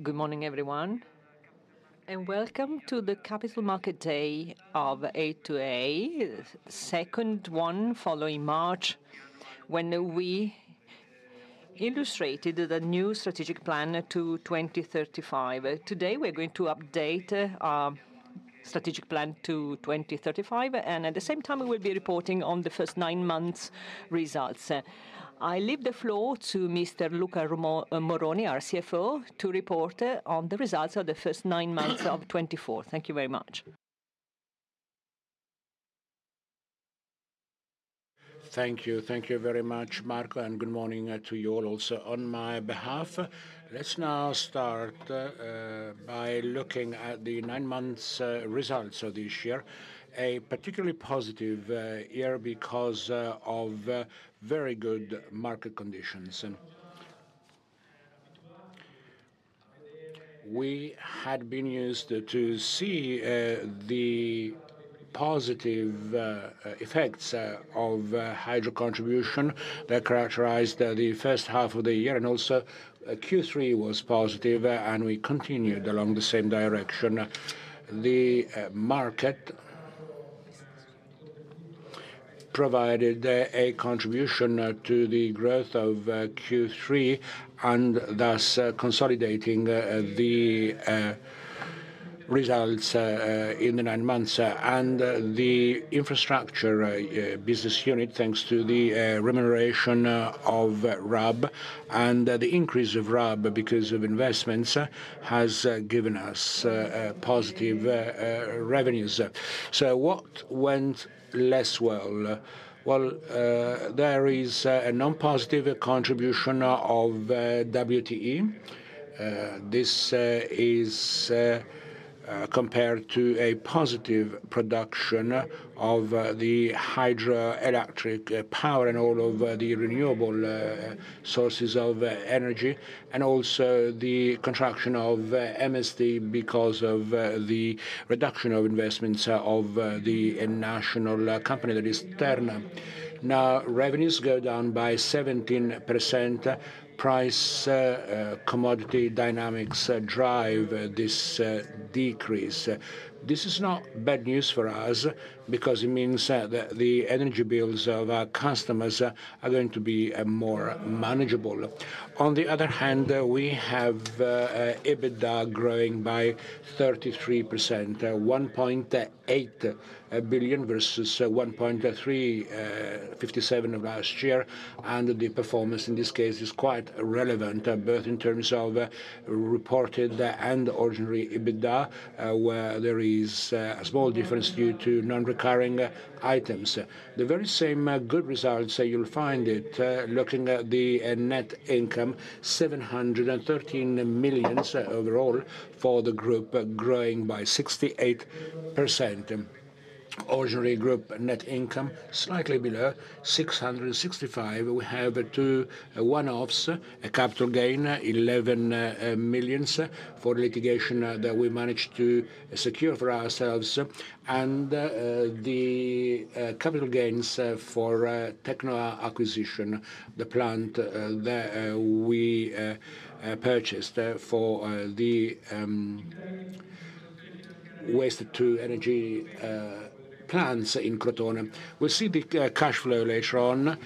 Good morning, everyone, and welcome to the Capital Market Day of A2A, the second one following March when we illustrated the new Strategic Plan to 2035. Today, we're going to update our Strategic Plan to 2035, and at the same time, we will be reporting on the first nine months' results. I leave the floor to Mr. Luca Moroni, our CFO, to report on the results of the first nine months of 2024. Thank you very much. Thank you. Thank you very much, Marco, and good morning to you all also on my behalf. Let's now start by looking at the nine-month results of this year, a particularly positive year because of very good market conditions. We had been used to see the positive effects of hydro contribution that characterized the first half of the year, and also Q3 was positive, and we continued along the same direction. The market provided a contribution to the growth of Q3 and thus consolidating the results in the nine months, and the infrastructure business unit, thanks to the remuneration of RAB and the increase of RAB because of investments, has given us positive revenues, so what went less well? Well, there is a non-positive contribution of WTE. This is compared to a positive production of the hydroelectric power and all of the renewable sources of energy, and also the contraction of MSD because of the reduction of investments of the national company that is Terna. Now, revenues go down by 17%. Price commodity dynamics drive this decrease. This is not bad news for us because it means that the energy bills of our customers are going to be more manageable. On the other hand, we have EBITDA growing by 33%, 1.8 billion EUR versus 1.357 billion EUR last year, and the performance in this case is quite relevant, both in terms of reported and ordinary EBITDA, where there is a small difference due to non-recurring items. The very same good results you'll find looking at the net income, 713 million EUR overall for the group, growing by 68%. Ordinary group net income slightly below 665 million EUR. We have two one-offs, a capital gain, 11 million EUR for the litigation that we managed to secure for ourselves, and the capital gains for TecnoA acquisition, the plant that we purchased for the waste-to-energy plants in Crotone. We'll see the cash flow later on,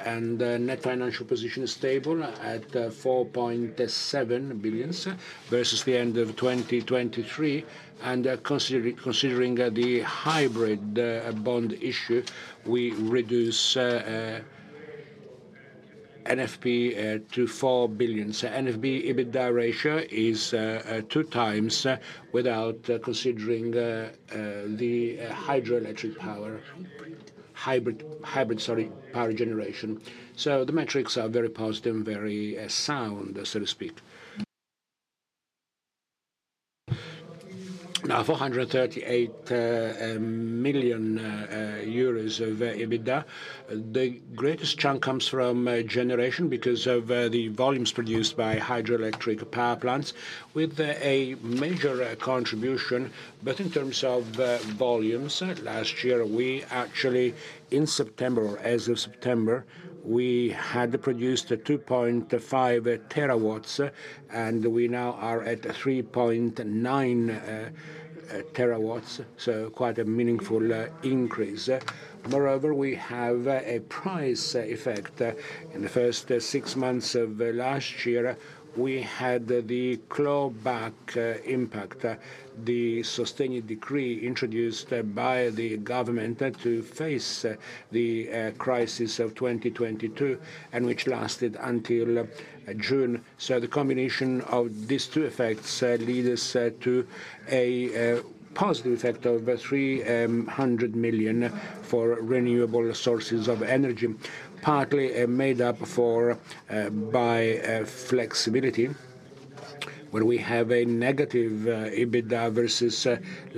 and the net financial position is stable at 4.7 billion EUR versus the end of 2023. And considering the hybrid bond issue, we reduce NFP to 4 billion EUR. So NFP-EBITDA ratio is two times without considering the hydroelectric power hybrid power generation. So the metrics are very positive, very sound, so to speak. Now, 438 million EUR of EBITDA. The greatest chunk comes from generation because of the volumes produced by hydroelectric power plants, with a major contribution, both in terms of volumes. Last year, we actually, in September, or as of September, we had produced 2.5 TW, and we now are at 3.9 TW, so quite a meaningful increase. Moreover, we have a price effect. In the first six months of last year, we had the clawback impact, the Sostegni decree introduced by the government to face the crisis of 2022, and which lasted until June. So the combination of these two effects leads to a positive effect of 300 million EUR for renewable sources of energy, partly made up by flexibility, where we have a negative EBITDA versus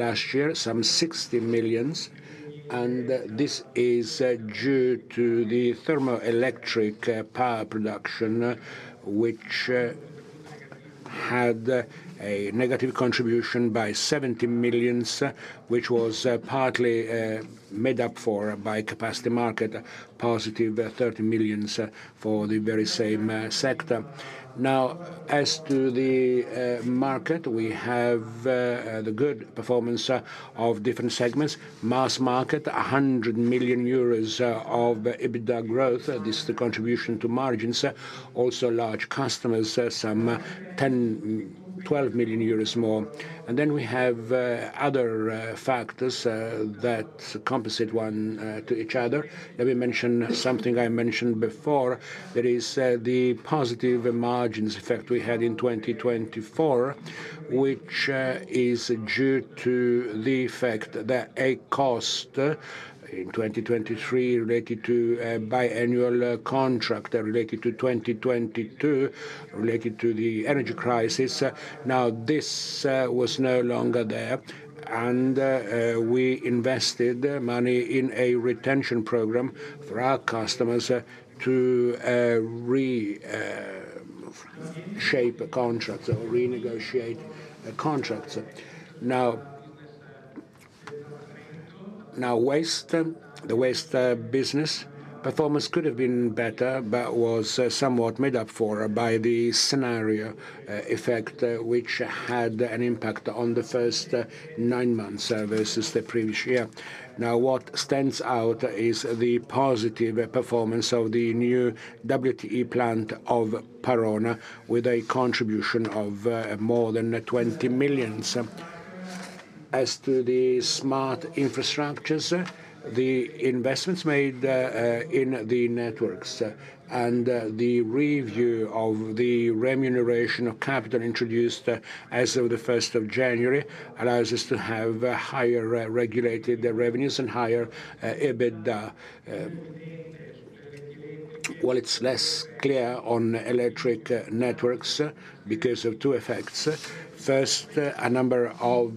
last year, some 60 million EUR, and this is due to the thermoelectric power production, which had a negative contribution by 70 million EUR, which was partly made up for by capacity market, positive 30 million EUR for the very same sector. Now, as to the market, we have the good performance of different segments. Mass market, 100 million euros of EBITDA growth. This is the contribution to margins. Also, large customers, some 10 million EUR- 12 million euros more, and then we have other factors that compensate one to each other. Let me mention something I mentioned before. There is the positive margins effect we had in 2024, which is due to the fact that a cost in 2023 related to a biannual contract related to 2022, related to the energy crisis. Now, this was no longer there, and we invested money in a retention program for our customers to reshape contracts or renegotiate contracts. Now, waste, the Waste Business Unit performance could have been better, but was somewhat made up for by the scenario effect, which had an impact on the first nine months versus the previous year. Now, what stands out is the positive performance of the new WTE plant of Parona, with a contribution of more than 20 million EUR. As to the Smart infrastructures, the investments made in the networks and the review of the remuneration of capital introduced as of the January 1st allows us to have higher regulated revenues and higher EBITDA. It's less clear on electric networks because of two effects. First, a number of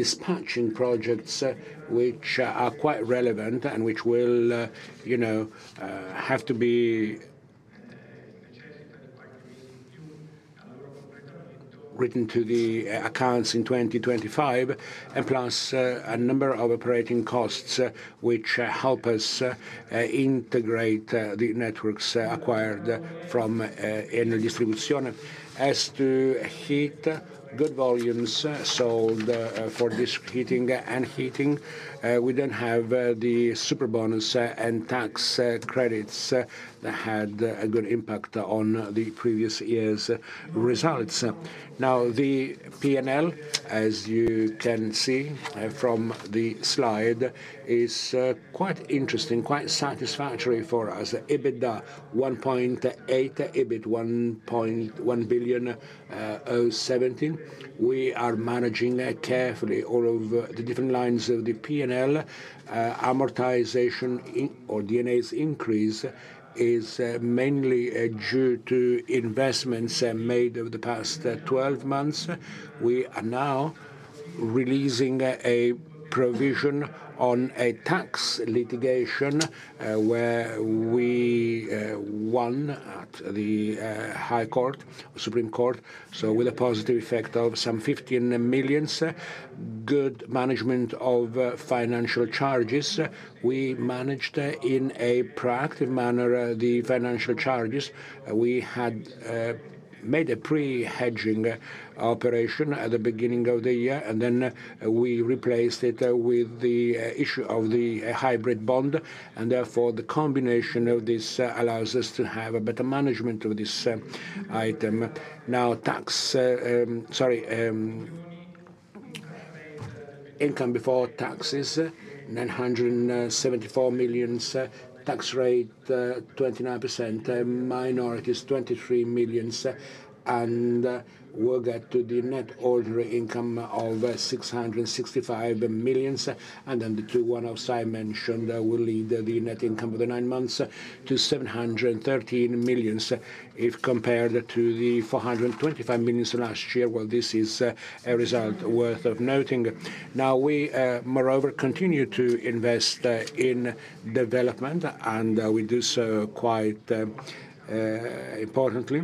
dispatching projects, which are quite relevant and which will have to be written to the accounts in 2025, and plus a number of operating costs, which help us integrate the network acquired from E-Distribuzione. As to heat, good volumes sold for this heating and heating. We don't have the Superbonus and tax credits that had a good impact on the previous year's results. Now, the P&L, as you can see from the slide, is quite interesting, quite satisfactory for us. EBITDA 1.8 billion EUR, EBIT 1.107 billion EUR We are managing carefully all of the different lines of the P&L. Amortization and D&A's increase is mainly due to investments made over the past 12 months. We are now releasing a provision on a tax litigation where we won at the High Court, Supreme Court, so with a positive effect of some 15 million EUR Good management of financial charges. We managed in a proactive manner the financial charges. We had made a pre-hedging operation at the beginning of the year, and then we replaced it with the issue of the hybrid bond, and therefore the combination of this allows us to have a better management of this item. Now, income before taxes, 974 million EUR, tax rate 29%, minorities 23 million EUR, and we'll get to the net ordinary income of 665 million EUR, and then the two one-offs I mentioned will lead the net income of the nine months to 713 million EUR. If compared to the 425 million EUR last year, well, this is a result worth noting. Now, we moreover continue to invest in development, and we do so quite importantly.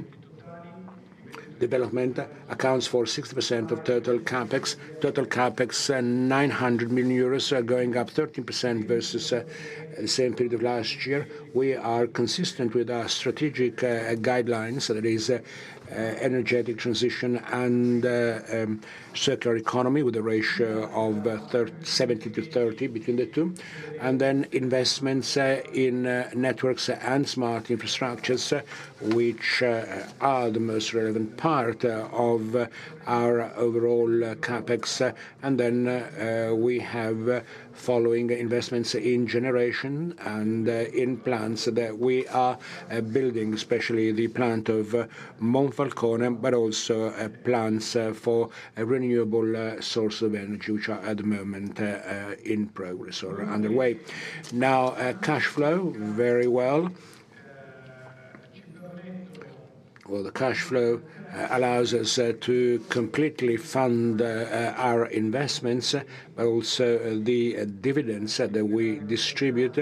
Development accounts for 60% of total CapEx. Total CapEx, 900 million euros, going up 13% versus the same period of last year. We are consistent with our strategic guidelines. That is, energy transition and circular economy with a ratio of 70 to 30 between the two, and then investments in networks and smart infrastructures, which are the most relevant part of our overall CapEx. Then we have following investments in generation and in plants that we are building, especially the plant of Monfalcone, but also plants for renewable sources of energy, which are at the moment in progress or underway. Now, cash flow, very well. Well, the cash flow allows us to completely fund our investments, but also the dividends that we distribute.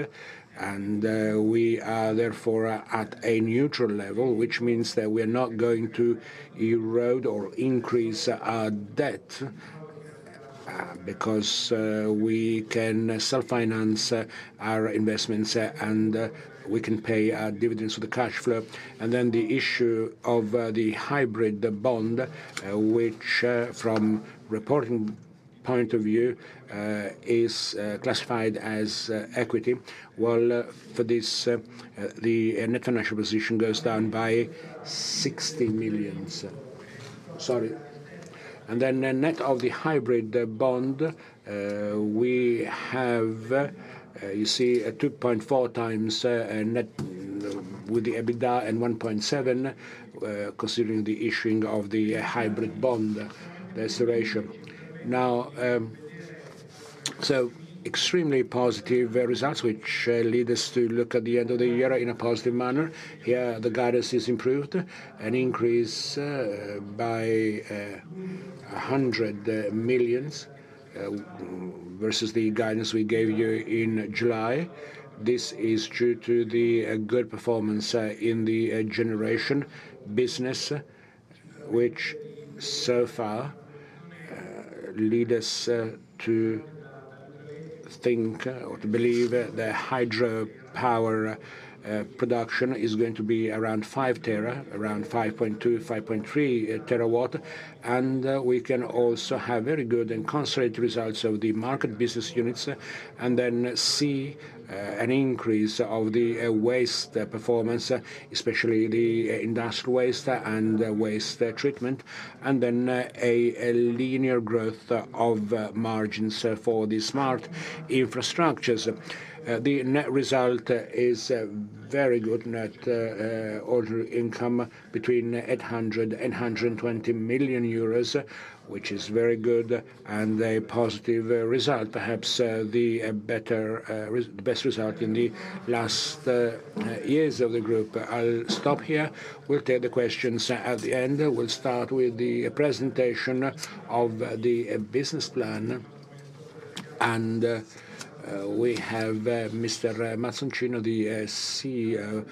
And we are therefore at a neutral level, which means that we are not going to erode or increase our debt because we can self-finance our investments and we can pay our dividends for the cash flow. And then the issue of the hybrid bond, which from reporting point of view is classified as equity. Well, for this, the Net Financial Position goes down by 60 million EUR. Sorry. Then net of the hybrid bond, we have, you see, 2.4 times net with the EBITDA and 1.7 considering the issuing of the hybrid bond. That's the ratio. Now, so extremely positive results, which lead us to look at the end of the year in a positive manner. Here, the guidance is improved, an increase by 100 million EUR versus the guidance we gave you in July. This is due to the good performance in the Generation Business Unit, which so far leads us to think or to believe that hydropower production is going to be around 5 TWh, around 5.2-5.3 TWh. We can also have very good and consolidated results of the Market Business Unit and then see an increase of the waste performance, especially the industrial waste and waste treatment, and then a linear growth of margins for the smart infrastructures. The net result is very good net ordinary income between 800 million euros and EUR 820 million, which is very good and a positive result, perhaps the best result in the last years of the group. I'll stop here. We'll take the questions at the end. We'll start with the presentation of the business plan. And we have Mr. Mazzoncini, the CEO,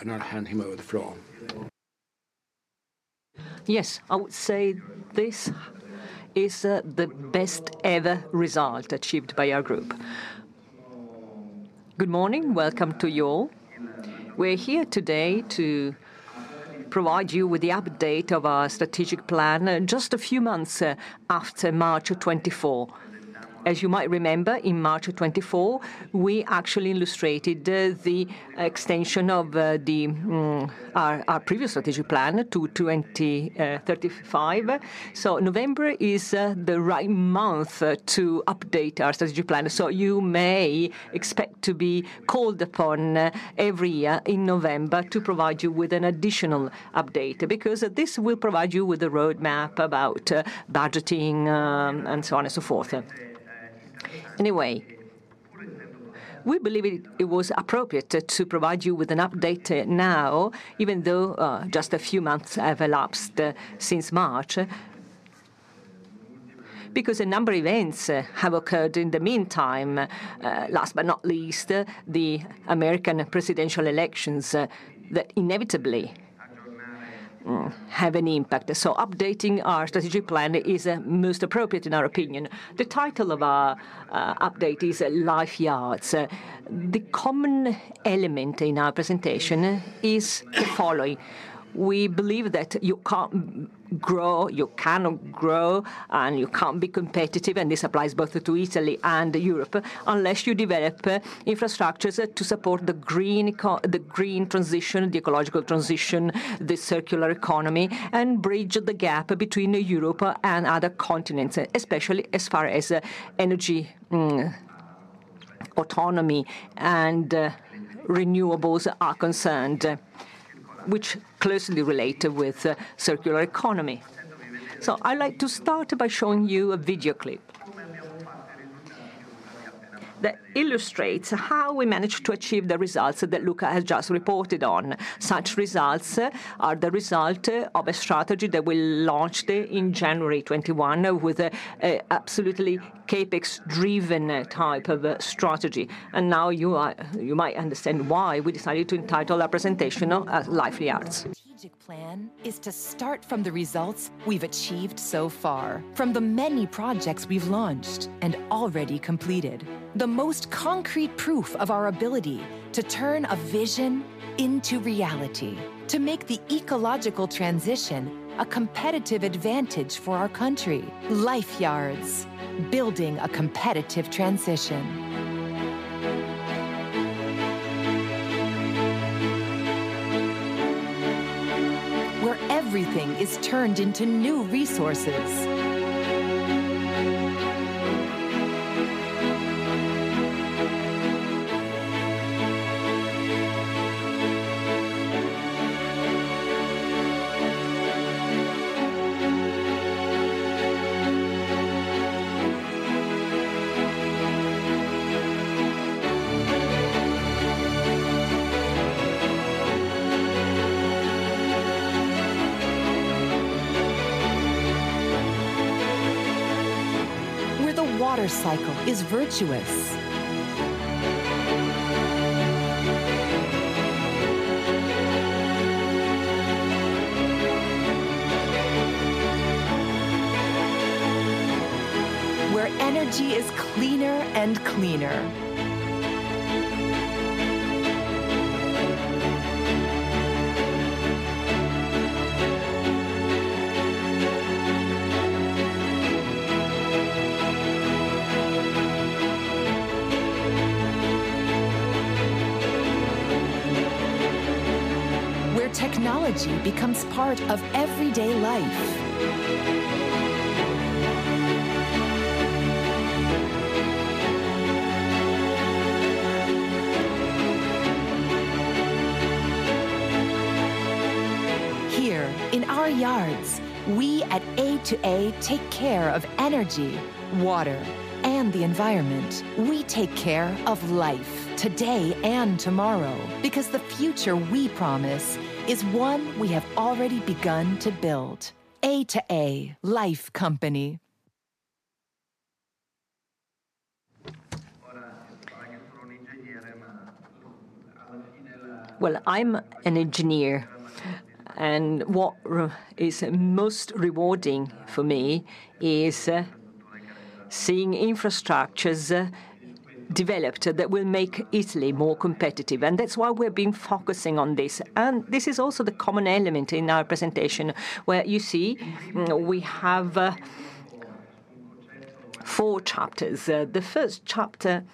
and I'll hand him over the floor. Yes, I would say this is the best ever result achieved by our group. Good morning. Welcome to you all. We're here today to provide you with the update of our strategic plan just a few months after March of 2024. As you might remember, in March of 2024, we actually illustrated the extension of our previous strategic plan to 2035. So November is the right month to update our strategic plan. So you may expect to be called upon every year in November to provide you with an additional update because this will provide you with a roadmap about budgeting and so on and so forth. Anyway, we believe it was appropriate to provide you with an update now, even though just a few months have elapsed since March, because a number of events have occurred in the meantime. Last but not least, the American presidential elections that inevitably have an impact. So updating our strategic plan is most appropriate, in our opinion. The title of our update is Life Yards. The common element in our presentation is the following. We believe that you can't grow, you cannot grow, and you can't be competitive. This applies both to Italy and Europe unless you develop infrastructures to support the green transition, the ecological transition, the circular economy, and bridge the gap between Europe and other continents, especially as far as energy autonomy and renewables are concerned, which closely relate with circular economy. I'd like to start by showing you a video clip that illustrates how we managed to achieve the results that Luca has just reported on. Such results are the result of a strategy that we launched in January 2021 with an absolutely CapEx-driven type of strategy. Now you might understand why we decided to entitle our presentation Life Yards. Strategic plan is to start from the results we've achieved so far, from the many projects we've launched and already completed, the most concrete proof of our ability to turn a vision into reality, to make the ecological transition a competitive advantage for our country. Life Yards, building a competitive transition where everything is turned into new resources. Where the water cycle is virtuous, where energy is cleaner and cleaner. Where technology becomes part of everyday life. Here, in our yards, we at A2A take care of energy, water, and the environment. We take care of life today and tomorrow because the future we promise is one we have already begun to build. A2A Life Company. I'm an engineer, and what is most rewarding for me is seeing infrastructures developed that will make Italy more competitive, and that's why we're being focusing on this. This is also the common element in our presentation where you see we have four chapters. The first chapter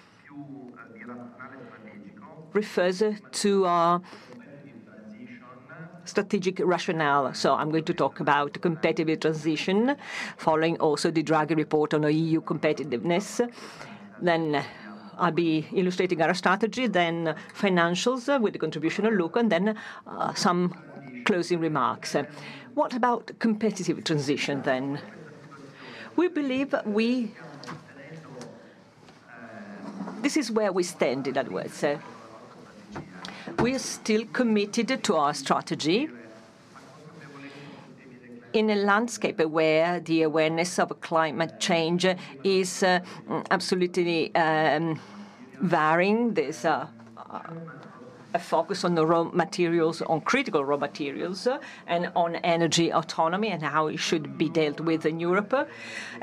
refers to our strategic rationale. I'm going to talk about competitive transition, following also the Draghi report on EU competitiveness. I'll be illustrating our strategy, then financials with the contribution of Luca, and then some closing remarks. What about competitive transition then? We believe we, this is where we stand, in other words. We are still committed to our strategy in a landscape where the awareness of climate change is absolutely varying. There's a focus on the raw materials, on critical raw materials, and on energy autonomy and how it should be dealt with in Europe.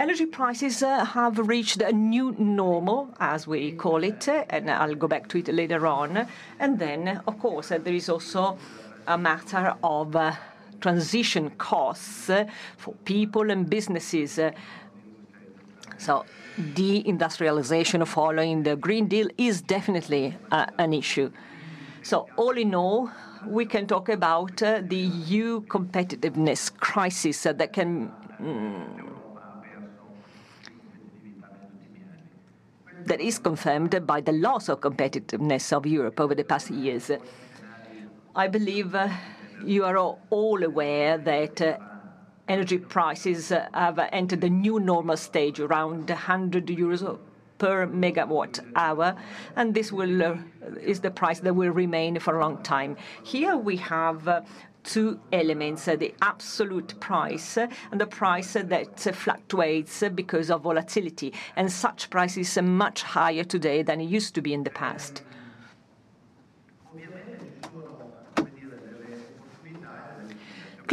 Energy prices have reached a new normal, as we call it, and I'll go back to it later on. And then, of course, there is also a matter of transition costs for people and businesses. So deindustrialization following the Green Deal is definitely an issue. So all in all, we can talk about the EU competitiveness crisis that is confirmed by the loss of competitiveness of Europe over the past years. I believe you are all aware that energy prices have entered a new normal stage around 100 euros per megawatt hour, and this is the price that will remain for a long time. Here we have two elements: the absolute price and the price that fluctuates because of volatility. And such prices are much higher today than it used to be in the past.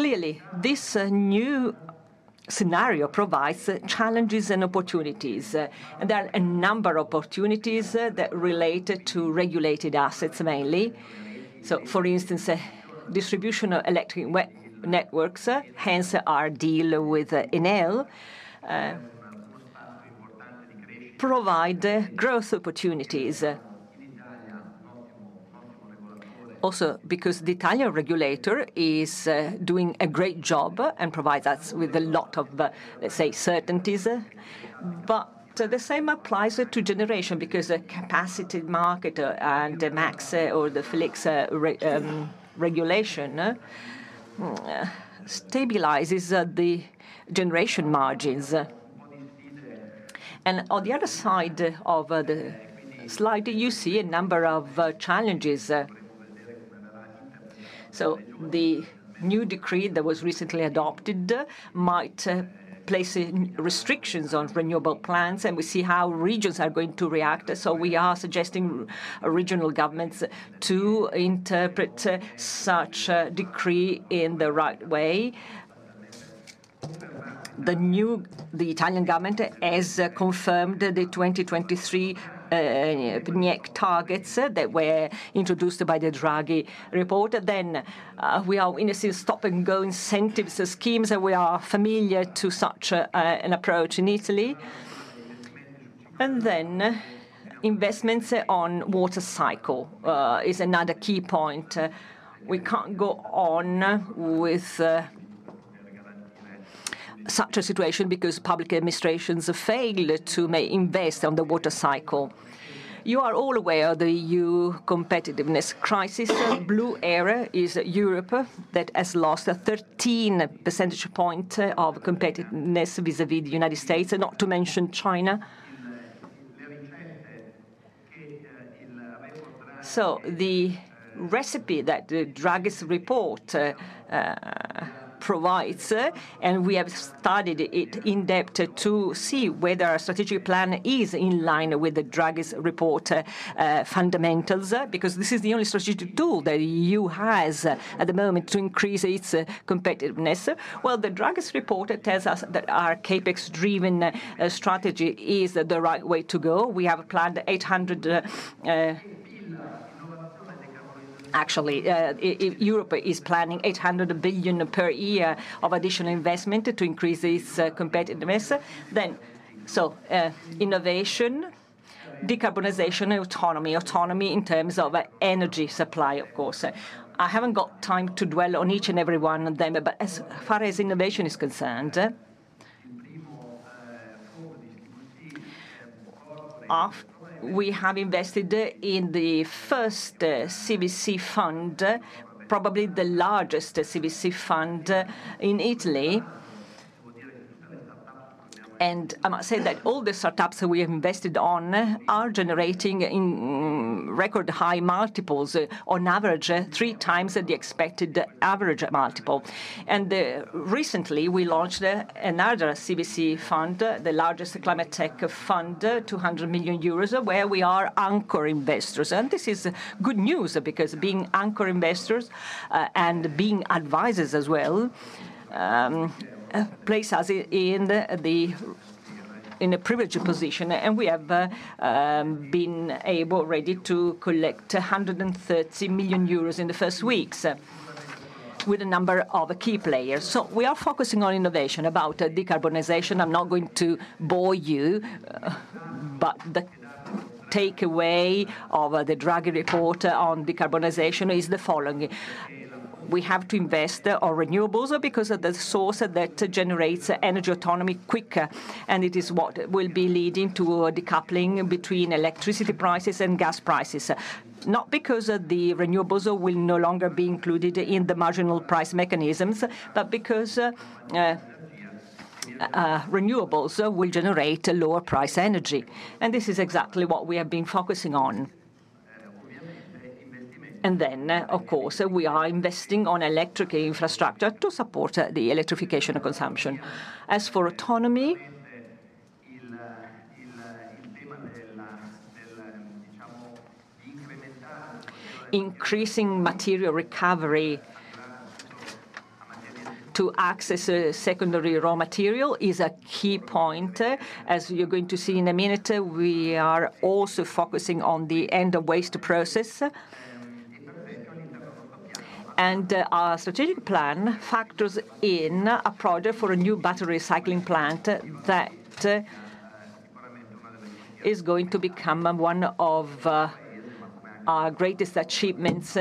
Clearly, this new scenario provides challenges and opportunities. There are a number of opportunities that relate to regulated assets mainly. So, for instance, distribution of electric networks, hence our deal with Enel, provide growth opportunities. Also, because the Italian regulator is doing a great job and provides us with a lot of, let's say, certainties. But the same applies to generation because the capacity market and the MSD or the FER regulation stabilizes the generation margins. And on the other side of the slide, you see a number of challenges. So the new decree that was recently adopted might place restrictions on renewable plants, and we see how regions are going to react. So we are suggesting regional governments to interpret such a decree in the right way. The Italian government has confirmed the 2023 PNIEC targets that were introduced by the Draghi report. Then we are in a stop-and-go incentive schemes, and we are familiar with such an approach in Italy. And then investments on the water cycle is another key point. We can't go on with such a situation because public administrations failed to invest on the water cycle. You are all aware of the EU competitiveness crisis. The blue area is Europe that has lost a 13 percentage point of competitiveness vis-à-vis the United States, not to mention China. So the recipe that the Draghi's report provides, and we have studied it in depth to see whether our strategic plan is in line with the Draghi's report fundamentals, because this is the only strategic tool that the EU has at the moment to increase its competitiveness. Well, the Draghi's report tells us that our CapEx-driven strategy is the right way to go. We have planned 800. Actually, Europe is planning 800 billion EUR per year of additional investment to increase its competitiveness. Then, so innovation, decarbonization, autonomy, autonomy in terms of energy supply, of course. I haven't got time to dwell on each and every one of them, but as far as innovation is concerned, we have invested in the first CVC fund, probably the largest CVC fund in Italy. And I must say that all the startups that we have invested on are generating record high multiples, on average three times the expected average multiple. And recently, we launched another CVC fund, the largest climate tech fund, 200 million euros, where we are anchor investors. And this is good news because being anchor investors and being advisors as well places us in a privileged position. And we have been able already to collect 130 million euros in the first weeks with a number of key players. So we are focusing on innovation, about decarbonization. I'm not going to bore you, but the takeaway of the Draghi report on decarbonization is the following. We have to invest in renewables because of the source that generates energy autonomy quicker, and it is what will be leading to a decoupling between electricity prices and gas prices. Not because the renewables will no longer be included in the marginal price mechanisms, but because renewables will generate lower price energy. And this is exactly what we have been focusing on. And then, of course, we are investing in electric infrastructure to support the electrification of consumption. As for autonomy, increasing material recovery to access secondary raw material is a key point. As you're going to see in a minute, we are also focusing on the end-of-waste process. Our strategic plan factors in a project for a new battery recycling plant that is going to become one of our greatest achievements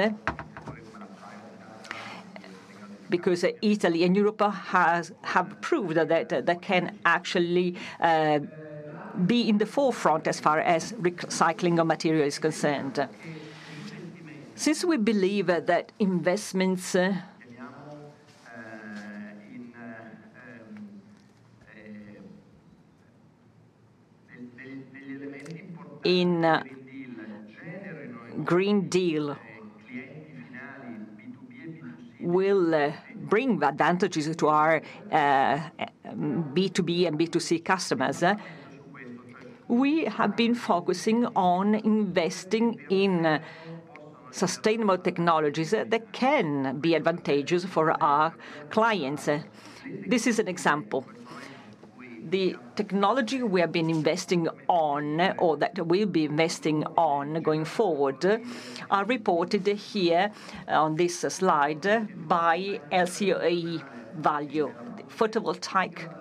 because Italy and Europe have proved that they can actually be in the forefront as far as recycling of material is concerned. Since we believe that investments in the Green Deal will bring advantages to our B2B and B2C customers, we have been focusing on investing in sustainable technologies that can be advantageous for our clients. This is an example. The technology we have been investing on, or that we'll be investing on going forward, are reported here on this slide by LCOE Value. Photovoltaic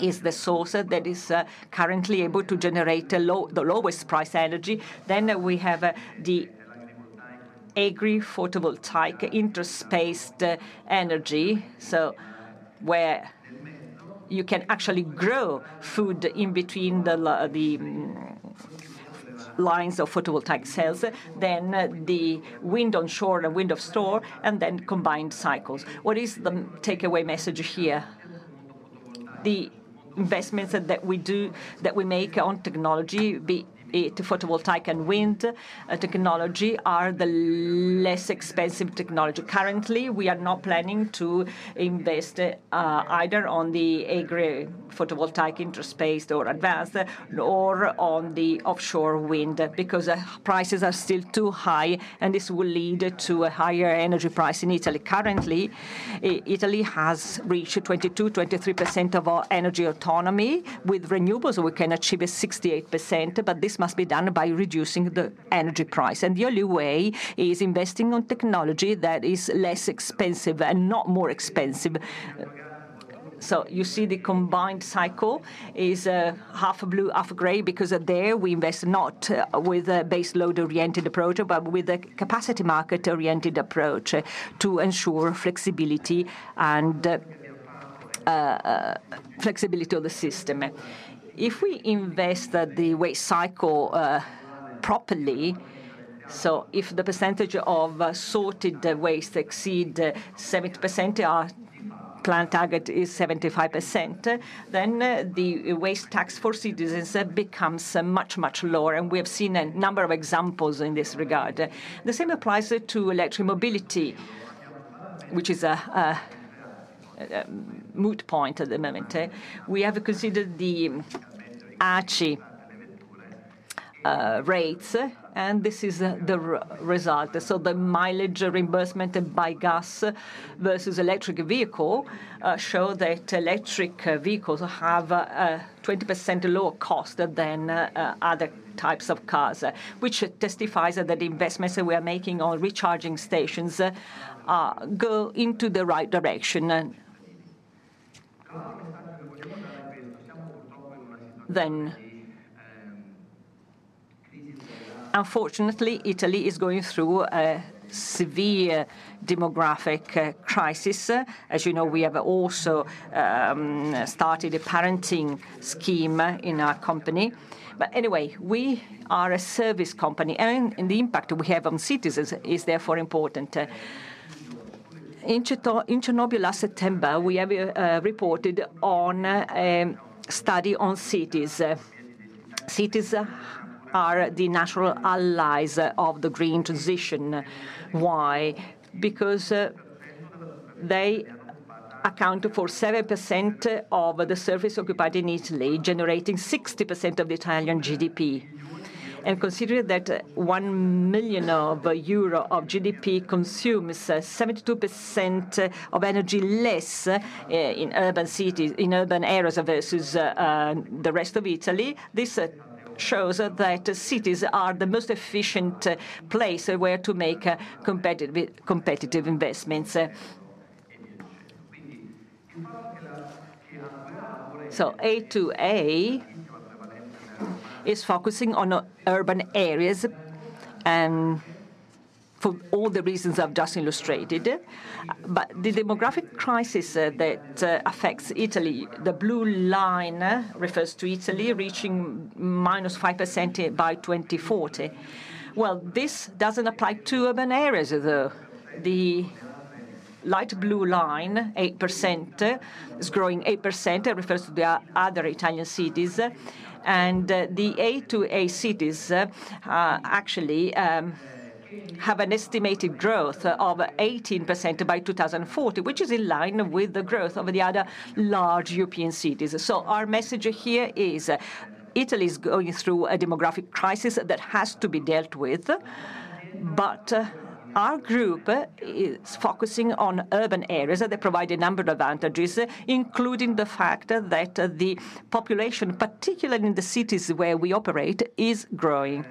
is the source that is currently able to generate the lowest price energy. Then we have the agri-photovoltaic interspaced energy, so where you can actually grow food in between the lines of photovoltaic cells, then the wind onshore and wind offshore, and then combined cycles. What is the takeaway message here? The investments that we make on technology, be it photovoltaic and wind technology, are the less expensive technology. Currently, we are not planning to invest either on the agri-photovoltaic interspaced or advanced, or on the offshore wind because prices are still too high, and this will lead to a higher energy price in Italy. Currently, Italy has reached 22%-23% of our energy autonomy. With renewables, we can achieve 68%, but this must be done by reducing the energy price. And the only way is investing in technology that is less expensive and not more expensive. So you see the combined cycle is half blue, half gray because there we invest not with a base-load-oriented approach, but with a capacity market-oriented approach to ensure flexibility of the system. If we invest the waste cycle properly, so if the percentage of sorted waste exceeds 70%, our planned target is 75%, then the waste tax for citizens becomes much, much lower. And we have seen a number of examples in this regard. The same applies to electric mobility, which is a moot point at the moment. We have considered the ACI rates, and this is the result. So the mileage reimbursement by gas versus electric vehicle shows that electric vehicles have a 20% lower cost than other types of cars, which testifies that the investments that we are making on recharging stations go into the right direction. Unfortunately, Italy is going through a severe demographic crisis. As you know, we have also started a parenting scheme in our company. But anyway, we are a service company, and the impact we have on citizens is therefore important. In Cernobbio last September, we have reported on a study on cities. Cities are the natural allies of the green transition. Why? Because they account for 7% of the surface occupied in Italy, generating 60% of the Italian GDP. And considering that 1 million euro of GDP consumes 72% of energy less in urban cities, in urban areas versus the rest of Italy, this shows that cities are the most efficient place where to make competitive investments. So A2A is focusing on urban areas for all the reasons I've just illustrated. The demographic crisis that affects Italy, the blue line refers to Italy reaching minus 5% by 2040. This doesn't apply to urban areas, though. The light blue line, 8%, is growing 8%. It refers to the other Italian cities. And the A2A cities actually have an estimated growth of 18% by 2040, which is in line with the growth of the other large European cities. So our message here is Italy is going through a demographic crisis that has to be dealt with. But our group is focusing on urban areas that provide a number of advantages, including the fact that the population, particularly in the cities where we operate, is growing.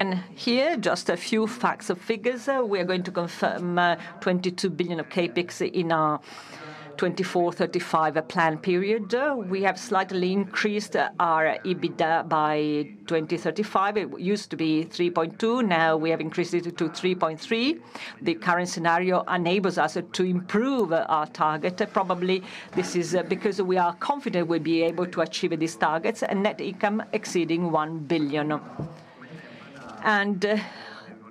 And here, just a few facts and figures. We are going to confirm €22 billion of Capex in our 2024-2035 plan period. We have slightly increased our EBITDA by 2035. It used to be €3.2 billion. Now we have increased it to €3.3 billion. The current scenario enables us to improve our target. Probably this is because we are confident, we'll be able to achieve these targets and net income exceeding 1 billion.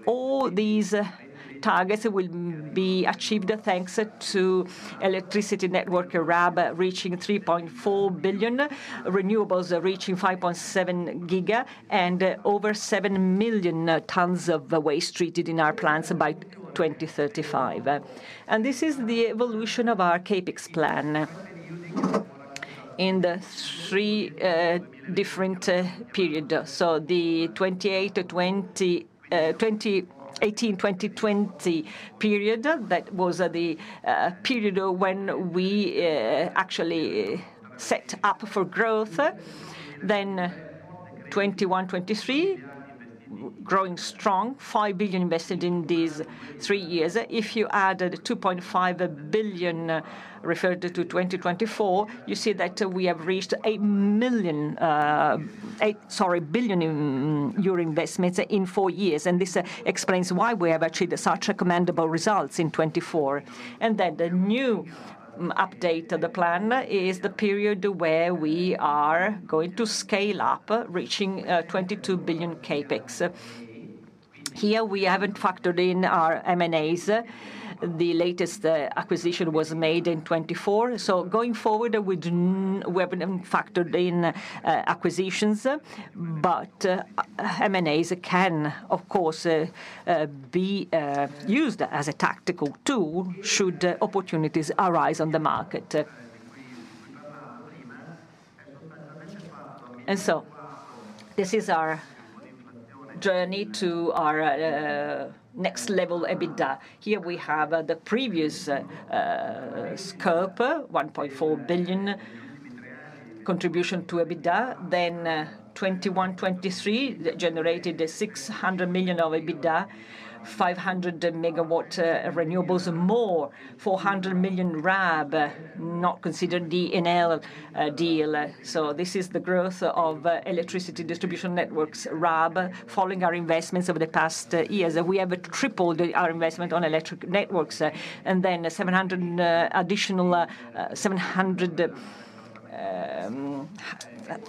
All these targets will be achieved thanks to electricity network RAB reaching 3.4 billion, renewables reaching 5.7 giga, and over seven million tons of waste treated in our plants by 2035. This is the evolution of our CapEx plan in the three different periods. The 2018-2020 period, that was the period when we actually set up for growth. Then 2021-2023, growing strong, 5 billion EUR invested in these three years. If you add the 2.5 billion EUR referred to 2024, you see that we have reached eight million, sorry, billion EUR investments in four years. This explains why we have achieved such commendable results in 2024. Then the new update of the plan is the period where we are going to scale up, reaching 22 billion EUR CapEx. Here we haven't factored in our M&As. The latest acquisition was made in 2024. So going forward, we haven't factored in acquisitions. But M&As can, of course, be used as a tactical tool should opportunities arise on the market. And so this is our journey to our next level EBITDA. Here we have the previous scope, 1.4 billion EUR contribution to EBITDA. Then 2021-2023 generated 600 million EUR of EBITDA, 500 megawatt renewables more, 400 million EUR RAB not considered the Enel deal. So this is the growth of electricity distribution networks, RAB, following our investments over the past years. We have tripled our investment on electric networks and then 700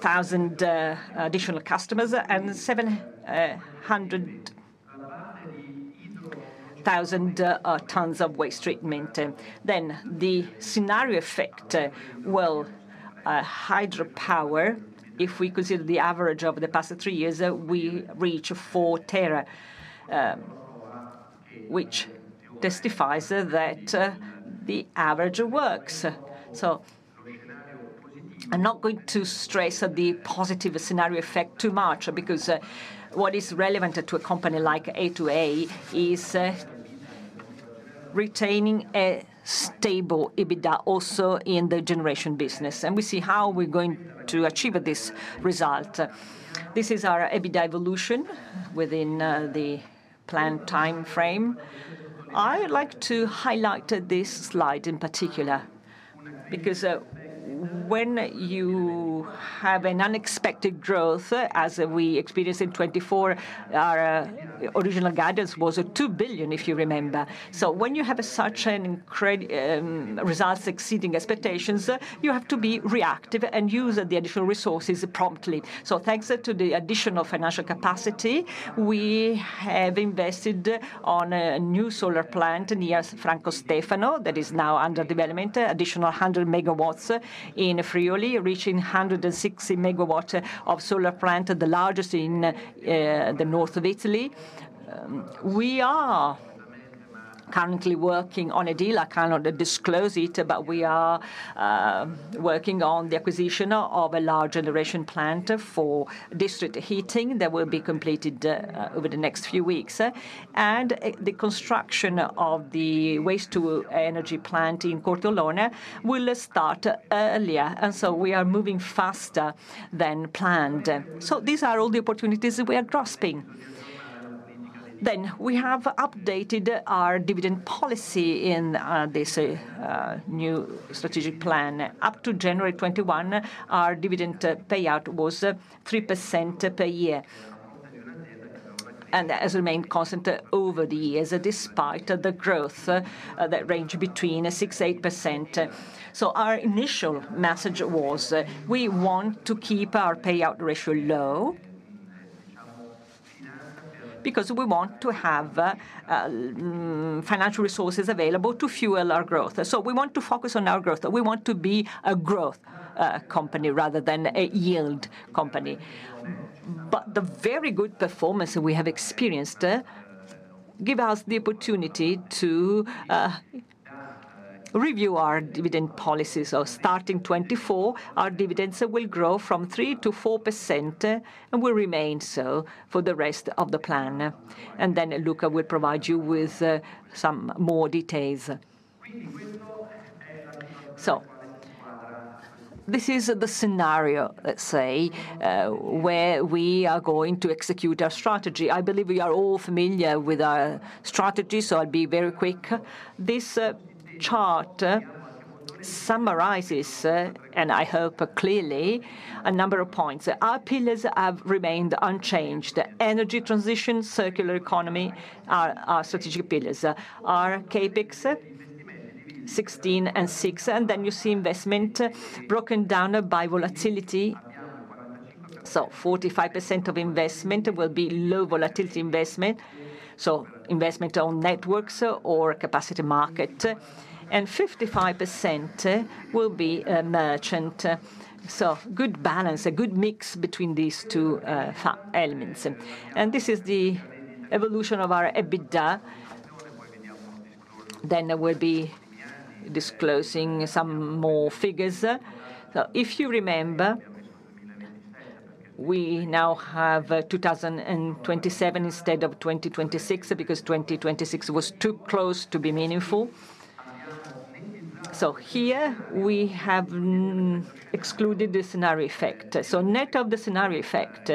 thousand additional customers and 700 thousand tons of waste treatment. Then the scenario effect, well, hydropower, if we consider the average of the past three years, we reach 4 TWh, which testifies that the average works. I'm not going to stress the positive scenario effect too much because what is relevant to a company like A2A is retaining a stable EBITDA also in the generation business. And we see how we're going to achieve this result. This is our EBITDA evolution within the planned time frame. I would like to highlight this slide in particular because when you have an unexpected growth, as we experienced in 2024, our original guidance was 2 billion EUR, if you remember. So when you have such an incredible result exceeding expectations, you have to be reactive and use the additional resources promptly. So thanks to the additional financial capacity, we have invested in a new solar plant near Francofonte that is now under development, additional 100 megawatts in Friuli, reaching 160 megawatts of solar plant, the largest in the north of Italy. We are currently working on a deal. I cannot disclose it, but we are working on the acquisition of a large generation plant for district heating that will be completed over the next few weeks, and the construction of the waste-to-energy plant in Corteolona will start earlier, and so we are moving faster than planned, so these are all the opportunities we are grasping, then we have updated our dividend policy in this new strategic plan. Up to January 2021, our dividend payout was 3% per year, and has remained constant over the years, despite the growth that ranged between 6% and 8%, so our initial message was we want to keep our payout ratio low because we want to have financial resources available to fuel our growth, so we want to focus on our growth. We want to be a growth company rather than a yield company. The very good performance we have experienced gives us the opportunity to review our dividend policies. Starting 2024, our dividends will grow from 3% to 4% and will remain so for the rest of the plan. Then Luca will provide you with some more details. This is the scenario, let's say, where we are going to execute our strategy. I believe we are all familiar with our strategy, so I'll be very quick. This chart summarizes, and I hope clearly, a number of points. Our pillars have remained unchanged. Energy transition, circular economy, our strategic pillars. Our Capex, 16% and 6%. Then you see investment broken down by volatility. 45% of investment will be low volatility investment, so investment on networks or capacity market. 55% will be merchant. Good balance, a good mix between these two elements. This is the evolution of our EBITDA. We'll be disclosing some more figures. If you remember, we now have 2027 instead of 2026 because 2026 was too close to be meaningful. Here we have excluded the scenario effect. Net of the scenario effect,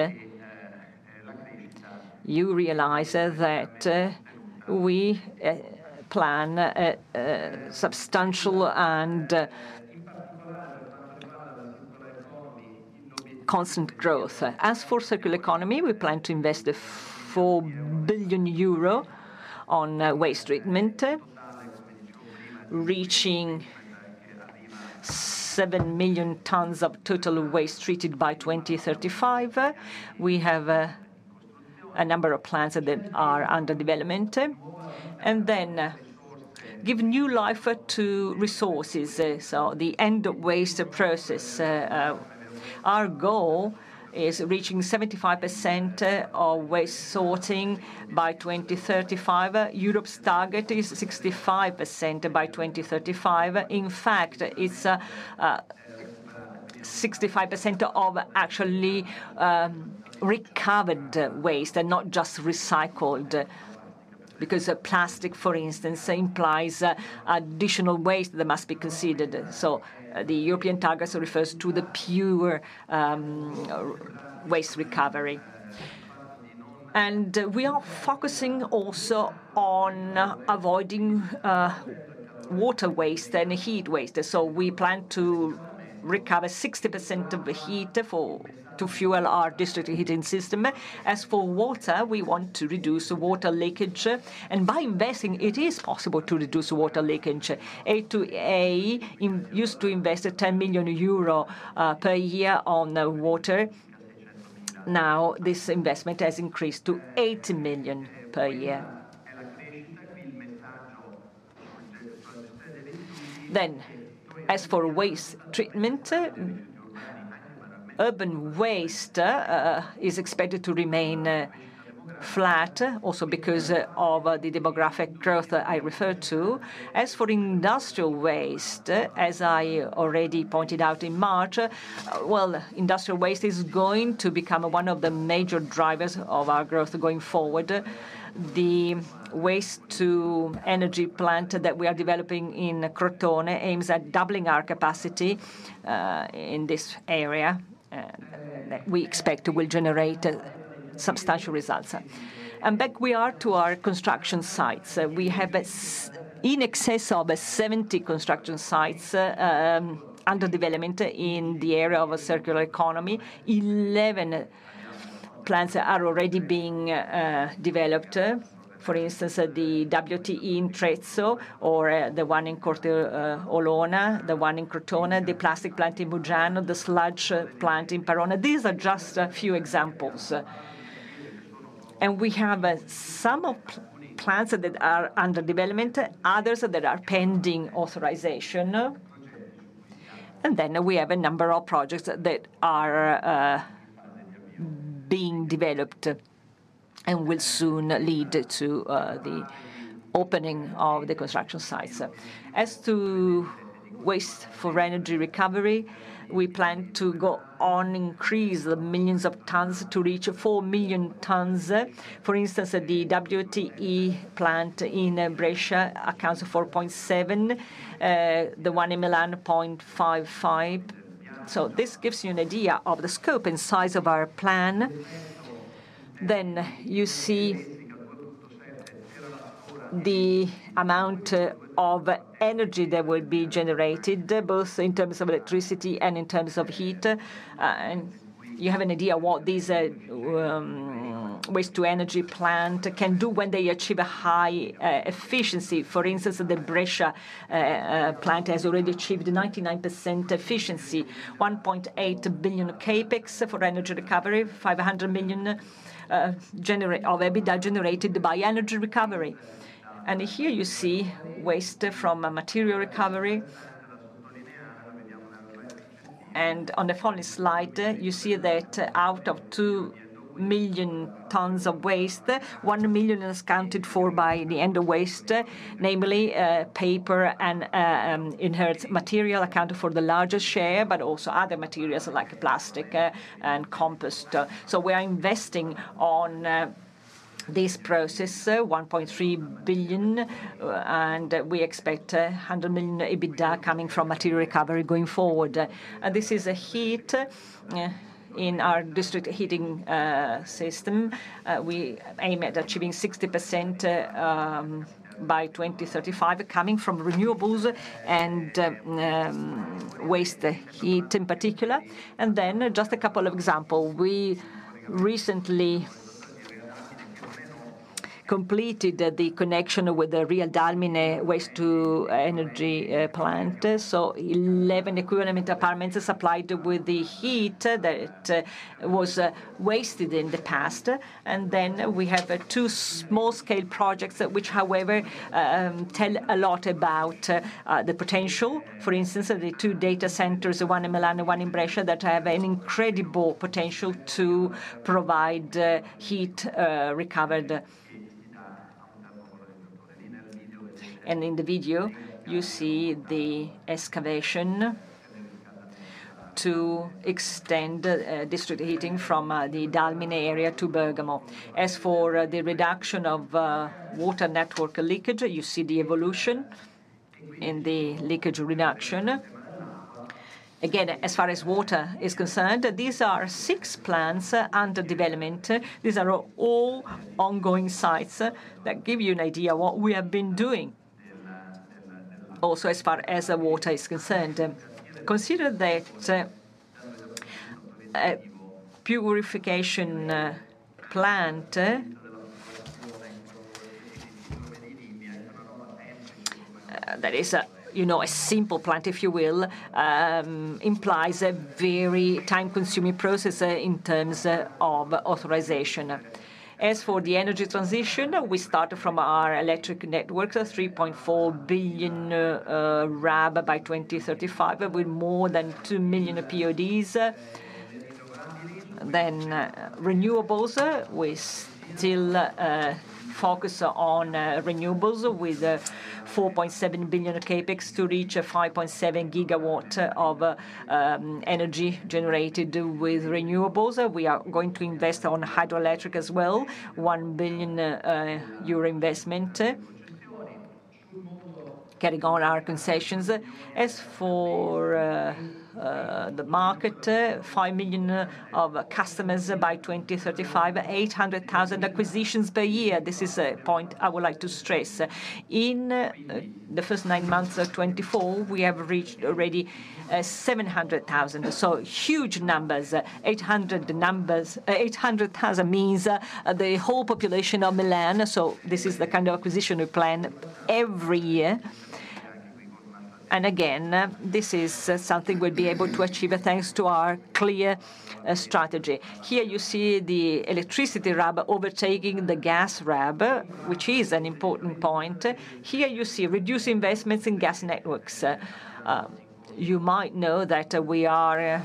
you realize that we plan substantial and constant growth. As for circular economy, we plan to invest 4 billion euro on waste treatment, reaching seven million tons of total waste treated by 2035. We have a number of plants that are under development. Then give new life to resources. The end-of-waste process. Our goal is reaching 75% of waste sorting by 2035. Europe's target is 65% by 2035. In fact, it's 65% of actually recovered waste and not just recycled because plastic, for instance, implies additional waste that must be considered. The European targets refer to the pure waste recovery. We are focusing also on avoiding water waste and heat waste. We plan to recover 60% of the heat to fuel our district heating system. As for water, we want to reduce water leakage. By investing, it is possible to reduce water leakage. A2A used to invest 10 million euro per year on water. Now this investment has increased to 8 million EUR per year. As for waste treatment, urban waste is expected to remain flat also because of the demographic growth I referred to. As for industrial waste, as I already pointed out in March, well, industrial waste is going to become one of the major drivers of our growth going forward. The waste-to-energy plant that we are developing in Crotone aims at doubling our capacity in this area that we expect will generate substantial results. Back we are to our construction sites. We have in excess of 70 construction sites under development in the area of a circular economy. 11 plants are already being developed. For instance, the WTE in Terzo or the one in Corteolona, the one in Corteolona, the plastic plant in Muggiano, the sludge plant in Parona. These are just a few examples. We have some plants that are under development, others that are pending authorization. Then we have a number of projects that are being developed and will soon lead to the opening of the construction sites. As to waste for energy recovery, we plan to go on increase the millions of tons to reach 4 million tons. For instance, the WTE plant in Brescia accounts for 4.7, the one in Milan 0.55. This gives you an idea of the scope and size of our plan. Then you see the amount of energy that will be generated both in terms of electricity and in terms of heat. And you have an idea of what these waste-to-energy plants can do when they achieve a high efficiency. For instance, the Brescia plant has already achieved 99% efficiency, 1.8 billion EUR Capex for energy recovery, 500 million EUR of EBITDA generated by energy recovery. And here you see waste from material recovery. And on the following slide, you see that out of 2 million tons of waste, 1 million is accounted for by the end-of-waste, namely paper and inert material accounted for the largest share, but also other materials like plastic and compost. So we are investing in this process, 1.3 billion EUR, and we expect 100 million EUR EBITDA coming from material recovery going forward. And this is the heat in our district heating system. We aim at achieving 60% by 2035 coming from renewables and waste heat in particular. And then just a couple of examples. We recently completed the connection with the REA Dalmine waste-to-energy plant. So 11 equivalent apartments supplied with the heat that was wasted in the past. And then we have two small-scale projects which, however, tell a lot about the potential. For instance, the two data centers, one in Milan and one in Brescia, that have an incredible potential to provide heat recovered. And in the video, you see the excavation to extend district heating from the Dalmine area to Bergamo. As for the reduction of water network leakage, you see the evolution in the leakage reduction. Again, as far as water is concerned, these are six plants under development. These are all ongoing sites that give you an idea of what we have been doing. Also as far as water is concerned, consider that a purification plant that is a simple plant, if you will, implies a very time-consuming process in terms of authorization. As for the energy transition, we start from our electric networks, 3.4 billion EUR RAB by 2035 with more than 2 million PODs. Then renewables, we still focus on renewables with 4.7 billion EUR CapEx to reach 5.7 gigawatts of energy generated with renewables. We are going to invest on hydroelectric as well, 1 billion euro investment, carrying on our concessions. As for the market, 5 million customers by 2035, 800,000 acquisitions per year. This is a point I would like to stress. In the first nine months of 2024, we have reached already 700,000. So huge numbers, 800,000 means the whole population of Milan. So this is the kind of acquisition we plan every year. Again, this is something we'll be able to achieve thanks to our clear strategy. Here you see the electricity RAB overtaking the gas RAB, which is an important point. Here you see reduced investments in gas networks. You might know that we are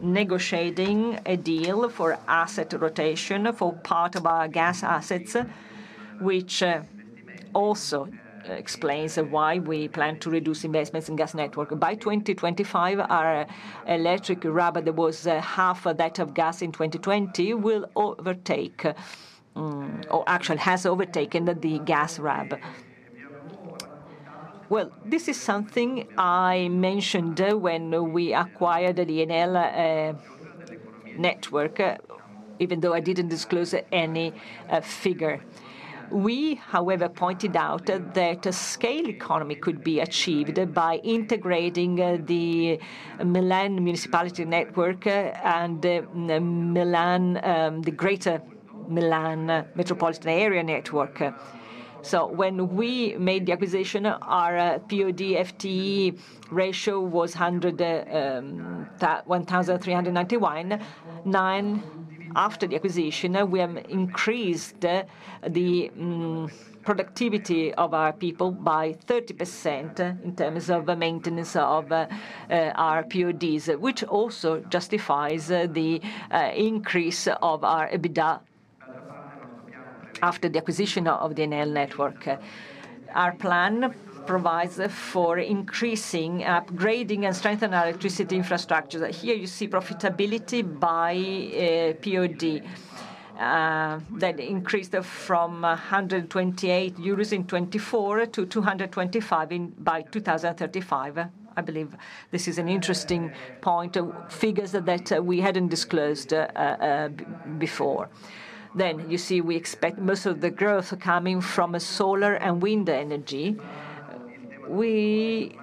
negotiating a deal for asset rotation for part of our gas assets, which also explains why we plan to reduce investments in gas networks. By 2025, our electric RAB that was half that of gas in 2020 will overtake or actually has overtaken the gas RAB. This is something I mentioned when we acquired the Enel network, even though I didn't disclose any figure. We, however, pointed out that a scale economy could be achieved by integrating the Milan municipality network and the greater Milan metropolitan area network. When we made the acquisition, our POD-FTE ratio was 1,391. After the acquisition, we have increased the productivity of our people by 30% in terms of maintenance of our PODs, which also justifies the increase of our EBITDA after the acquisition of the Enel network. Our plan provides for increasing, upgrading, and strengthening our electricity infrastructure. Here you see profitability by POD that increased from 128 euros in 2024 to 225 EUR by 2035. I believe this is an interesting point, figures that we hadn't disclosed before. Then you see we expect most of the growth coming from solar and wind energy. We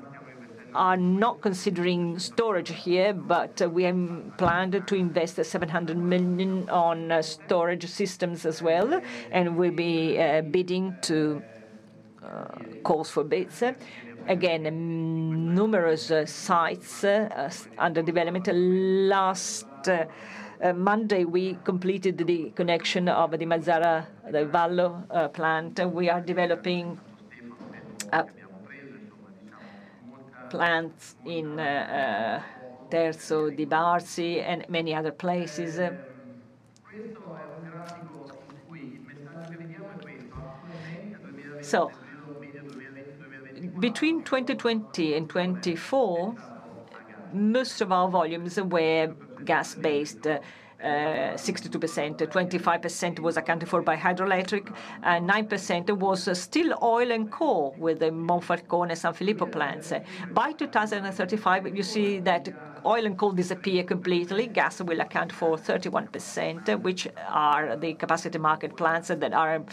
are not considering storage here, but we have planned to invest 700 million EUR on storage systems as well, and we'll be bidding to calls for bids. Again, numerous sites under development. Last Monday, we completed the connection of the Mazara del Vallo plant. We are developing plants in Terzo, Terzo di Aquileia, Oliveri and many other places. Between 2020 and 2024, most of our volumes were gas-based, 62%, 25% was accounted for by hydroelectric, and 9% was still oil and coal with the Monfalcone San Filippo del Mela plants. By 2035, you see that oil and coal disappear completely. Gas will account for 31%, which are the capacity market plants that are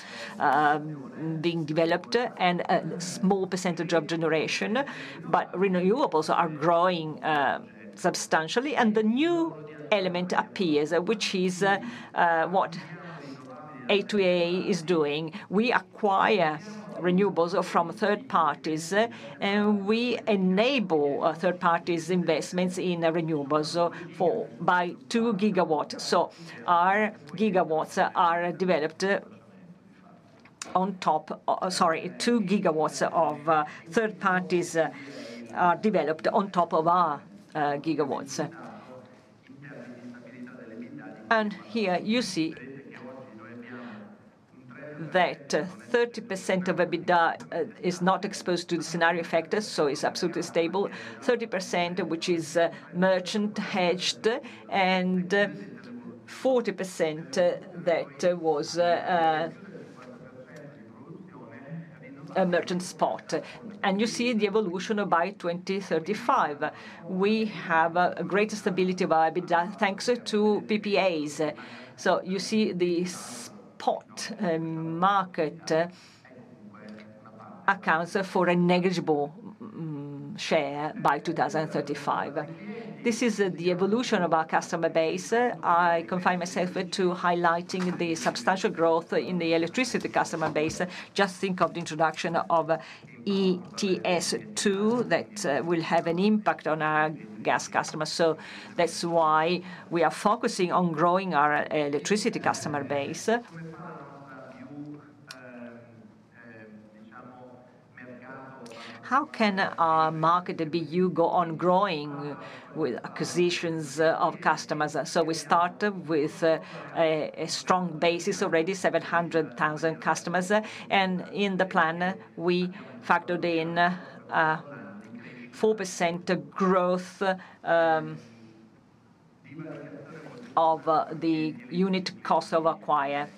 being developed and a small percentage of generation, but renewables are growing substantially. The new element appears, which is what A2A is doing. We acquire renewables from third parties, and we enable third parties' investments in renewables by 2 gigawatts. Our gigawatts are developed on top, sorry, 2 gigawatts of third parties are developed on top of our gigawatts. Here you see that 30% of EBITDA is not exposed to the scenario factor, so it's absolutely stable. 30%, which is merchant hedged, and 40% that was a merchant spot. You see the evolution by 2035. We have greater stability of our EBITDA thanks to PPAs. You see the spot market accounts for a negligible share by 2035. This is the evolution of our customer base. I confine myself to highlighting the substantial growth in the electricity customer base. Just think of the introduction of ETS2 that will have an impact on our gas customers. That's why we are focusing on growing our electricity customer base. How can our market BU go on growing with acquisitions of customers? We start with a strong basis already, 700,000 customers. In the plan, we factored in 4% growth of the unit cost of acquire.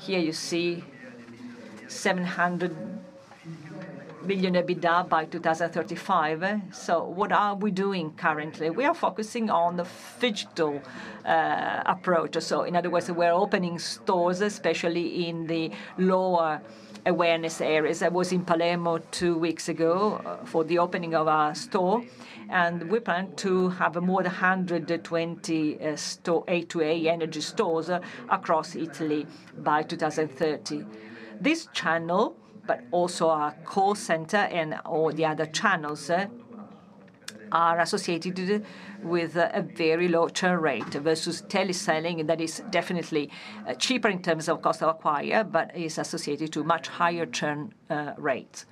Here you see 700 million EBITDA by 2035. What are we doing currently? We are focusing on the phygital approach. In other words, we're opening stores, especially in the lower awareness areas. I was in Palermo two weeks ago for the opening of our store, and we plan to have more than 120 A2A energy stores across Italy by 2030. This channel, but also our call center and all the other channels are associated with a very low churn rate versus teleselling that is definitely cheaper in terms of cost of acquire, but is associated to much higher churn rates.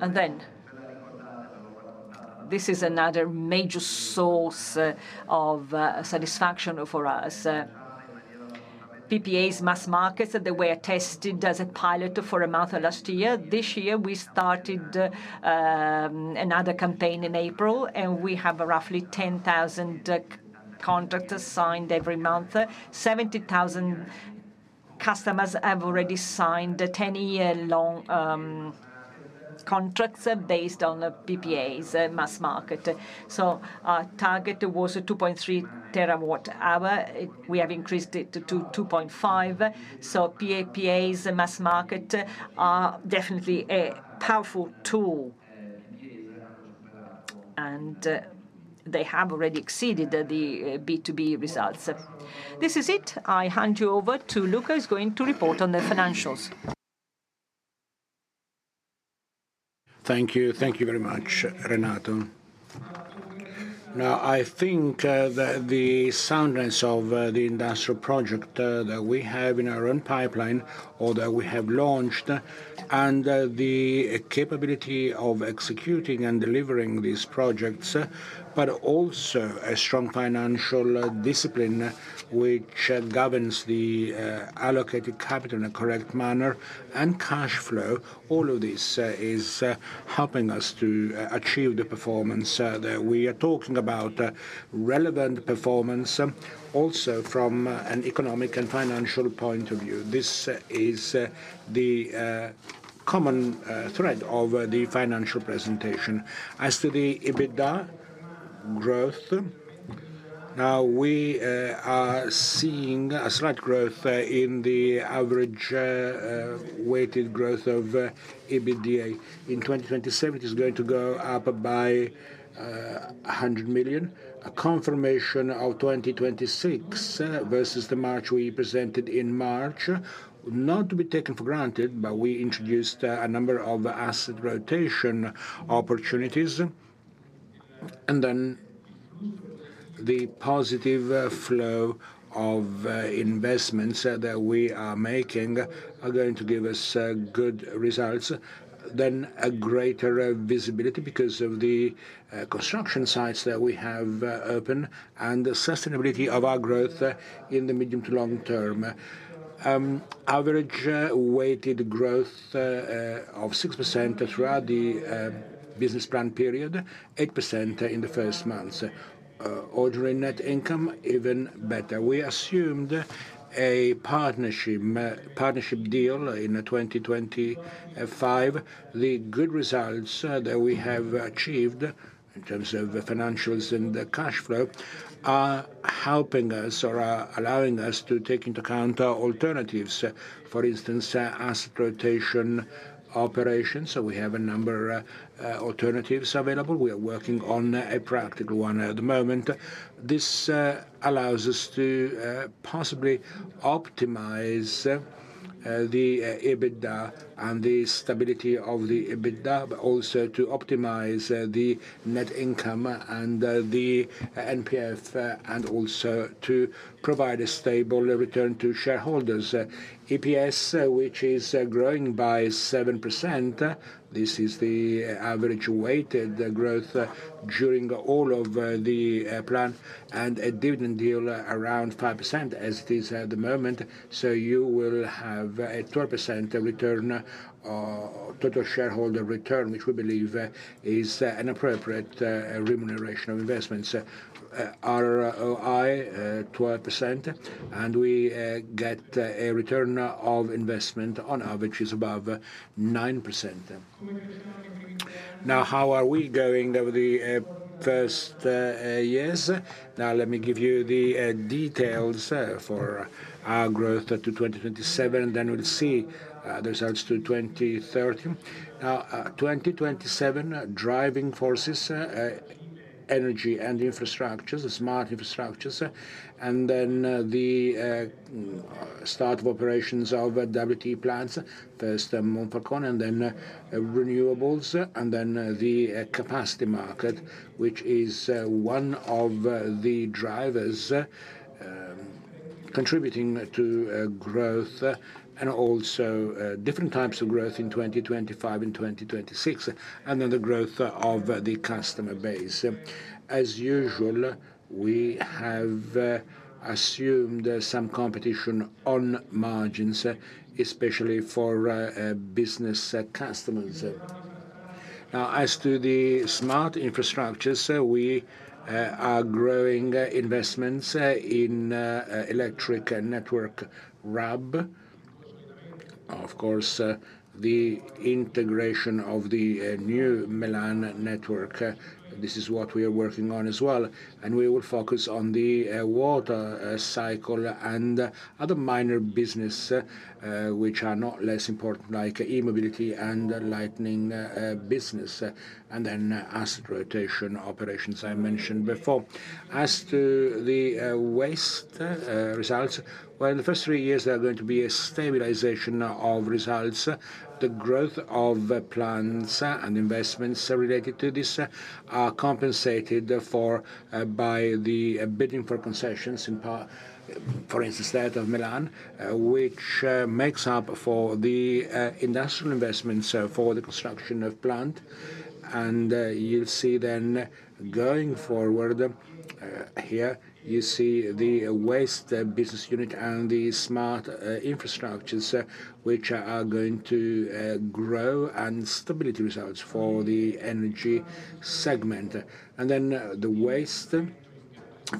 And then this is another major source of satisfaction for us. PPAs mass markets, they were tested as a pilot for a month last year. This year, we started another campaign in April, and we have roughly 10,000 contracts signed every month. 70,000 customers have already signed 10-year-long contracts based on PPAs mass market. So our target was 2.3 terawatt hour. We have increased it to 2.5. So PPAs mass market are definitely a powerful tool, and they have already exceeded the B2B results. This is it. I hand you over to Luca who is going to report on the financials. Thank you. Thank you very much, Renato. Now, I think that the soundness of the industrial project that we have in our own pipeline or that we have launched and the capability of executing and delivering these projects, but also a strong financial discipline which governs the allocated capital in a correct manner and cash flow, all of this is helping us to achieve the performance that we are talking about, relevant performance also from an economic and financial point of view. This is the common thread of the financial presentation. As to the EBITDA growth, now we are seeing a slight growth in the average weighted growth of EBITDA. In 2027, it is going to go up by 100 million, a confirmation of 2026 versus the March we presented in March. Not to be taken for granted, but we introduced a number of asset rotation opportunities, and then the positive flow of investments that we are making are going to give us good results, then a greater visibility because of the construction sites that we have open and the sustainability of our growth in the medium to long term. Average weighted growth of 6% throughout the business plan period, 8% in the first months. Underlying net income, even better. We assumed a partnership deal in 2025. The good results that we have achieved in terms of financials and cash flow are helping us or are allowing us to take into account our alternatives. For instance, asset rotation operations, so we have a number of alternatives available. We are working on a practical one at the moment. This allows us to possibly optimize the EBITDA and the stability of the EBITDA, but also to optimize the net income and the NFP and also to provide a stable return to shareholders. EPS, which is growing by 7%. This is the average weighted growth during all of the plan and a dividend yield around 5% as it is at the moment. So you will have a 12% return or total shareholder return, which we believe is an appropriate remuneration of investments. ROI, 12%, and we get a return of investment on average is above 9%. Now, how are we going over the first years? Now, let me give you the details for our growth to 2027, and then we'll see the results to 2030. Now, 2027, driving forces, energy and infrastructures, smart infrastructures, and then the start of operations of WTE plants, first Monfalcone and then renewables, and then the capacity market, which is one of the drivers contributing to growth and also different types of growth in 2025 and 2026, and then the growth of the customer base. As usual, we have assumed some competition on margins, especially for business customers. Now, as to the smart infrastructures, we are growing investments in electric network RAB. Of course, the integration of the new Milan network, this is what we are working on as well, and we will focus on the water cycle and other minor businesses which are not less important, like e-mobility and lighting business, and then asset rotation operations I mentioned before. As to the waste results, well, the first three years there are going to be a stabilization of results. The growth of plants and investments related to this are compensated for by the bidding for concessions, for instance, that of Milan, which makes up for the industrial investments for the construction of plant. And you'll see then going forward here, you see the waste business unit and the smart infrastructures which are going to grow and stability results for the energy segment. And then the waste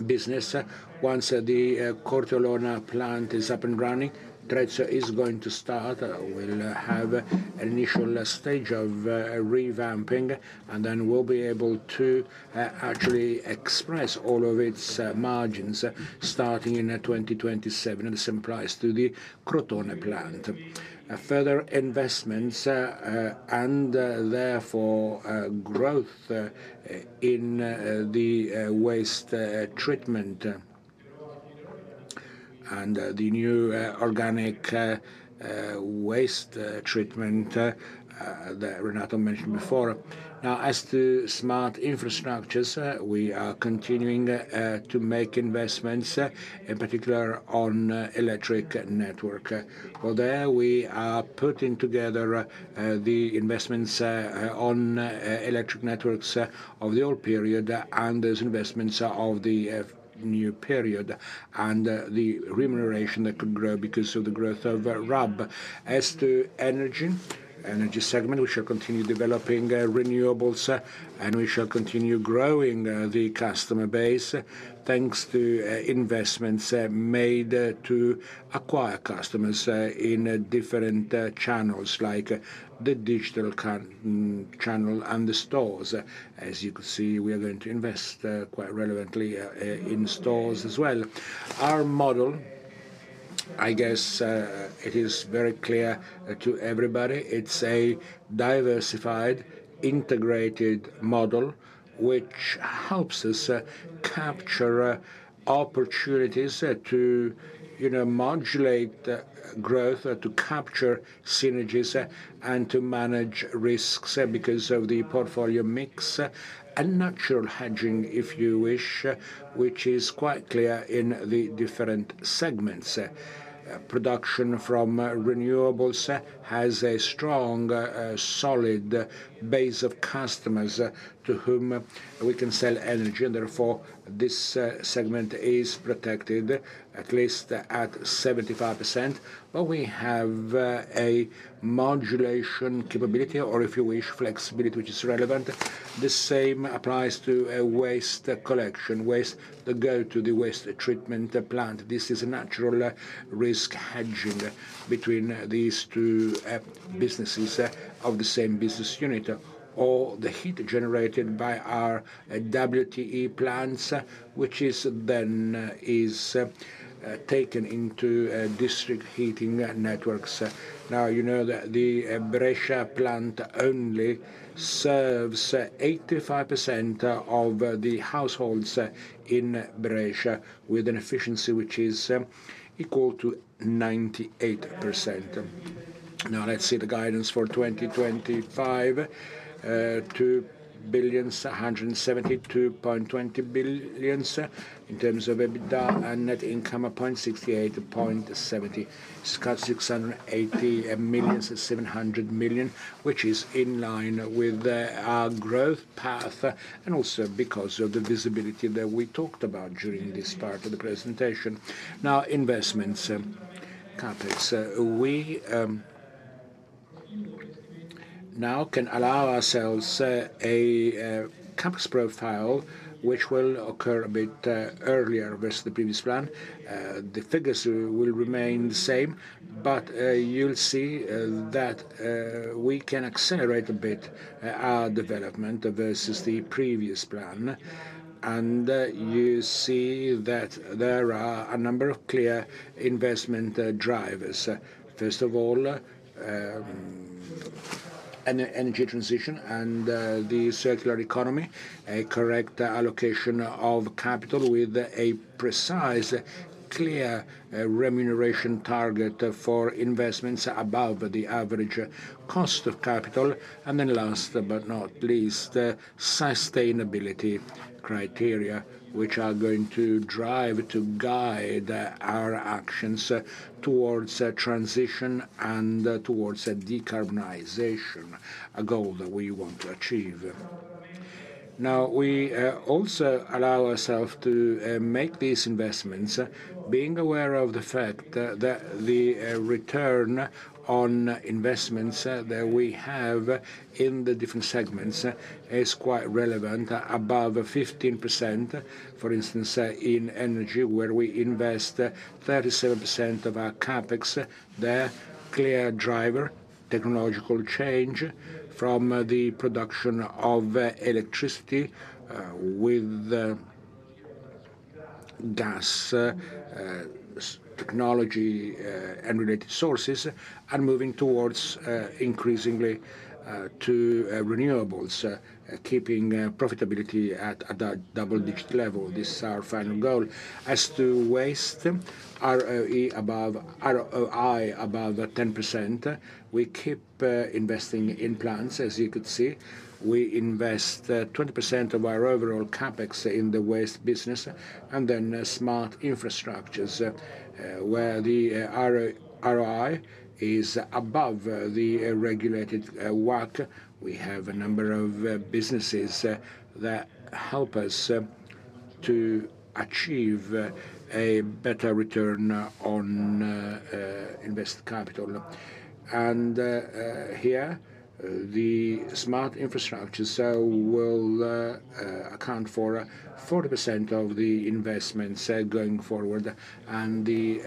business, once the Corteolona plant is up and running, Terzo is going to start, will have an initial stage of revamping, and then we'll be able to actually express all of its margins starting in 2027 at the same pace as the Crotone plant. Further investments and therefore growth in the waste treatment and the new organic waste treatment that Renato mentioned before. Now, as to smart infrastructures, we are continuing to make investments, in particular on electric network. There we are putting together the investments on electric networks of the old period and those investments of the new period and the remuneration that could grow because of the growth of RAB. As to energy, energy segment, we shall continue developing renewables and we shall continue growing the customer base thanks to investments made to acquire customers in different channels like the digital channel and the stores. As you can see, we are going to invest quite relevantly in stores as well. Our model, I guess it is very clear to everybody, it's a diversified integrated model which helps us capture opportunities to modulate growth, to capture synergies and to manage risks because of the portfolio mix and natural hedging if you wish, which is quite clear in the different segments. Production from renewables has a strong, solid base of customers to whom we can sell energy, and therefore this segment is protected at least at 75%. But we have a modulation capability or, if you wish, flexibility which is relevant. The same applies to waste collection, waste that go to the waste treatment plant. This is a natural risk hedging between these two businesses of the same business unit or the heat generated by our WTE plants, which then is taken into district heating networks. Now, you know that the Brescia plant only serves 85% of the households in Brescia with an efficiency which is equal to 98%. Now, let's see the guidance for 2025: 2.172 billion in terms of EBITDA and net income of 0.687 billion. It's cut 680 million-700 million, which is in line with our growth path and also because of the visibility that we talked about during this part of the presentation. Now, investments, CapEx. We now can allow ourselves a CapEx profile which will occur a bit earlier versus the previous plan. The figures will remain the same, but you'll see that we can accelerate a bit our development versus the previous plan, and you see that there are a number of clear investment drivers. First of all, an energy transition and the circular economy, a correct allocation of capital with a precise, clear remuneration target for investments above the average cost of capital, and then last but not least, sustainability criteria which are going to drive to guide our actions towards transition and towards decarbonization, a goal that we want to achieve. Now, we also allow ourselves to make these investments, being aware of the fact that the return on investments that we have in the different segments is quite relevant, above 15%, for instance, in energy where we invest 37% of our CapEx. There, clear driver, technological change from the production of electricity with gas technology and related sources and moving towards increasingly to renewables, keeping profitability at a double-digit level. This is our final goal. As to waste, ROE above ROI above 10%, we keep investing in plants, as you could see. We invest 20% of our overall CapEx in the waste business and then smart infrastructures where the ROI is above the regulated work. We have a number of businesses that help us to achieve a better return on invested capital. Here, the smart infrastructures will account for 40% of the investments going forward and the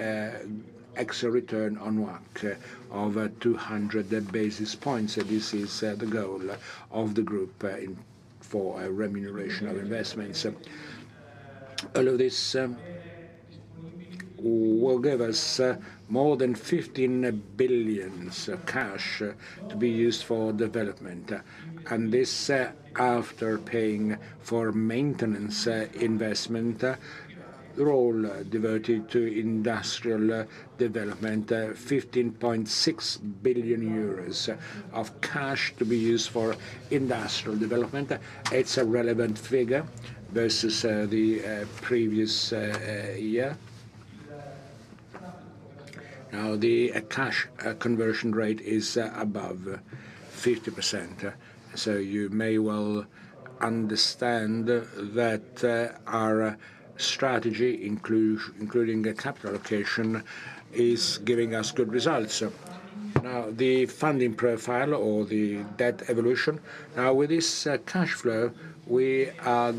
extra return on work of 200 basis points. This is the goal of the group for remuneration of investments. All of this will give us more than 15 billion cash to be used for development. And this, after paying for maintenance investment, the role diverted to industrial development, 15.6 billion euros of cash to be used for industrial development. It's a relevant figure versus the previous year. Now, the cash conversion rate is above 50%. So you may well understand that our strategy, including capital allocation, is giving us good results. Now, the funding profile or the debt evolution. Now, with this cash flow, we are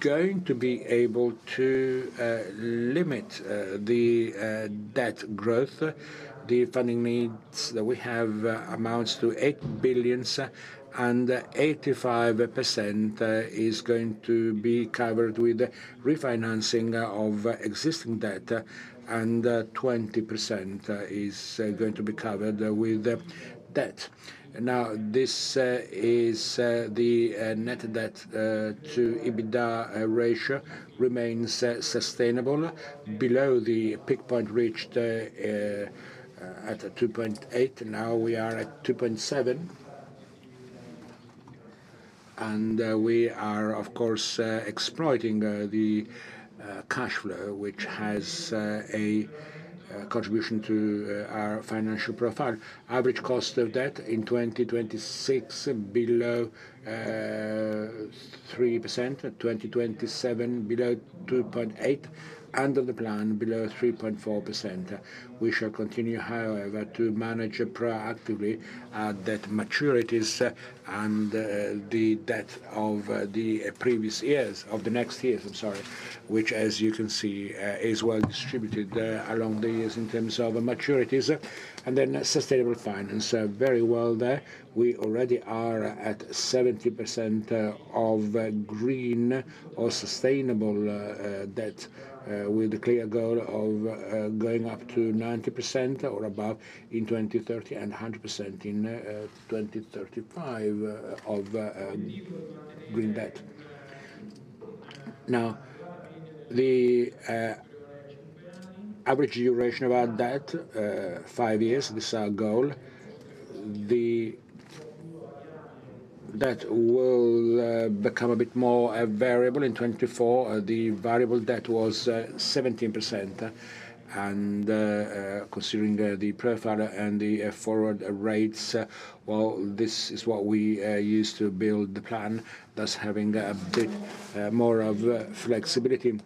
going to be able to limit the debt growth. The funding needs that we have amounts to 8 billion, and 85% is going to be covered with refinancing of existing debt, and 20% is going to be covered with debt. Now, this is the net debt to EBITDA ratio remains sustainable below the peak point reached at 2.8. Now we are at 2.7. And we are, of course, exploiting the cash flow, which has a contribution to our financial profile. Average cost of debt in 2026 below 3%, 2027 below 2.8%, under the plan below 3.4%. We shall continue, however, to manage proactively at debt maturities and the debt of the previous years, of the next years, I'm sorry, which, as you can see, is well distributed along the years in terms of maturities. And then sustainable finance, very well there. We already are at 70% of green or sustainable debt with the clear goal of going up to 90% or above in 2030 and 100% in 2035 of green debt. Now, the average duration of our debt, five years, this is our goal. The debt will become a bit more variable in 2024. The variable debt was 17%. And considering the profile and the forward rates, well, this is what we use to build the plan, thus having a bit more of flexibility.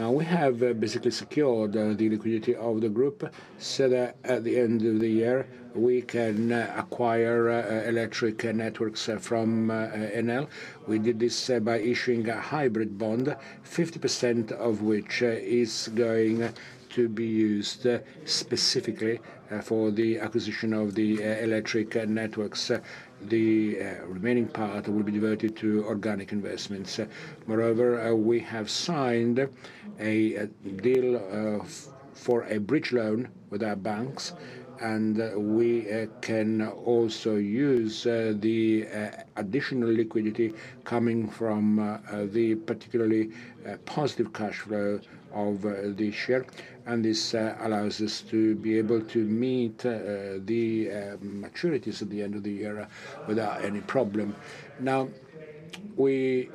Now, we have basically secured the liquidity of the group so that at the end of the year, we can acquire electric networks from Enel. We did this by issuing a hybrid bond, 50% of which is going to be used specifically for the acquisition of the electric networks. The remaining part will be diverted to organic investments. Moreover, we have signed a deal for a bridge loan with our banks, and we can also use the additional liquidity coming from the particularly positive cash flow of this year, and this allows us to be able to meet the maturities at the end of the year without any problem. Now, we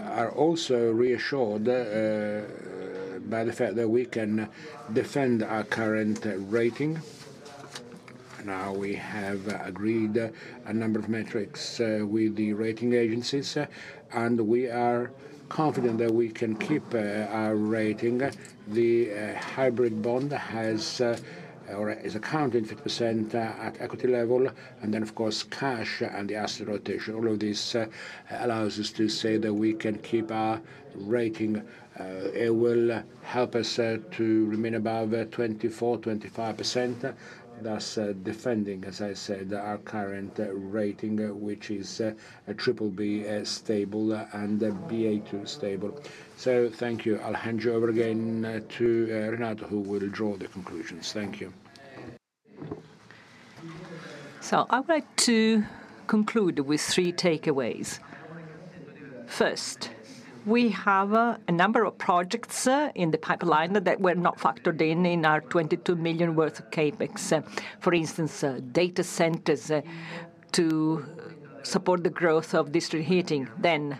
are also reassured by the fact that we can defend our current rating. Now, we have agreed a number of metrics with the rating agencies, and we are confident that we can keep our rating. The hybrid bond has or is accounted for 50% at equity level. And then, of course, cash and the asset rotation. All of this allows us to say that we can keep our rating. It will help us to remain above 24%-25%, thus defending, as I said, our current rating, which is BBB stable and Baa2 stable. Thank you, Alessandro, over again to Renato, who will draw the conclusions. Thank you. I would like to conclude with three takeaways. First, we have a number of projects in the pipeline that were not factored in in our 22 million worth of CapEx. For instance, data centers to support the growth of district heating. Then,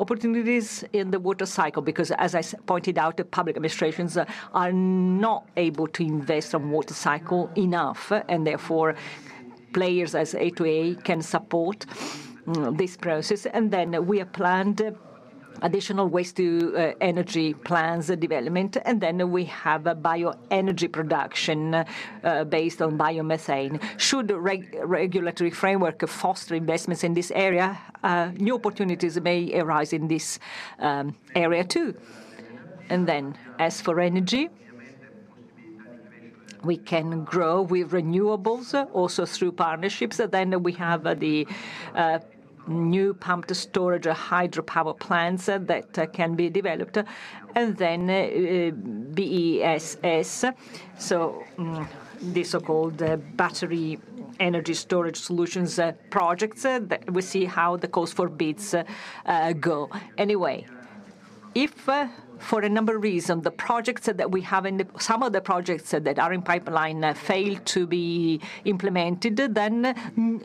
opportunities in the water cycle, because, as I pointed out, the public administrations are not able to invest on water cycle enough, and therefore players as A2A can support this process. And then we have planned additional waste-to-energy plans development, and then we have bioenergy production based on biomethane. Should the regulatory framework foster investments in this area, new opportunities may arise in this area too. And then, as for energy, we can grow with renewables also through partnerships. Then we have the new pumped storage hydropower plants that can be developed. And then BESS, so the so-called battery energy storage solutions projects, we see how the calls for bids go. Anyway, if for a number of reasons the projects that we have in some of the projects that are in pipeline fail to be implemented, then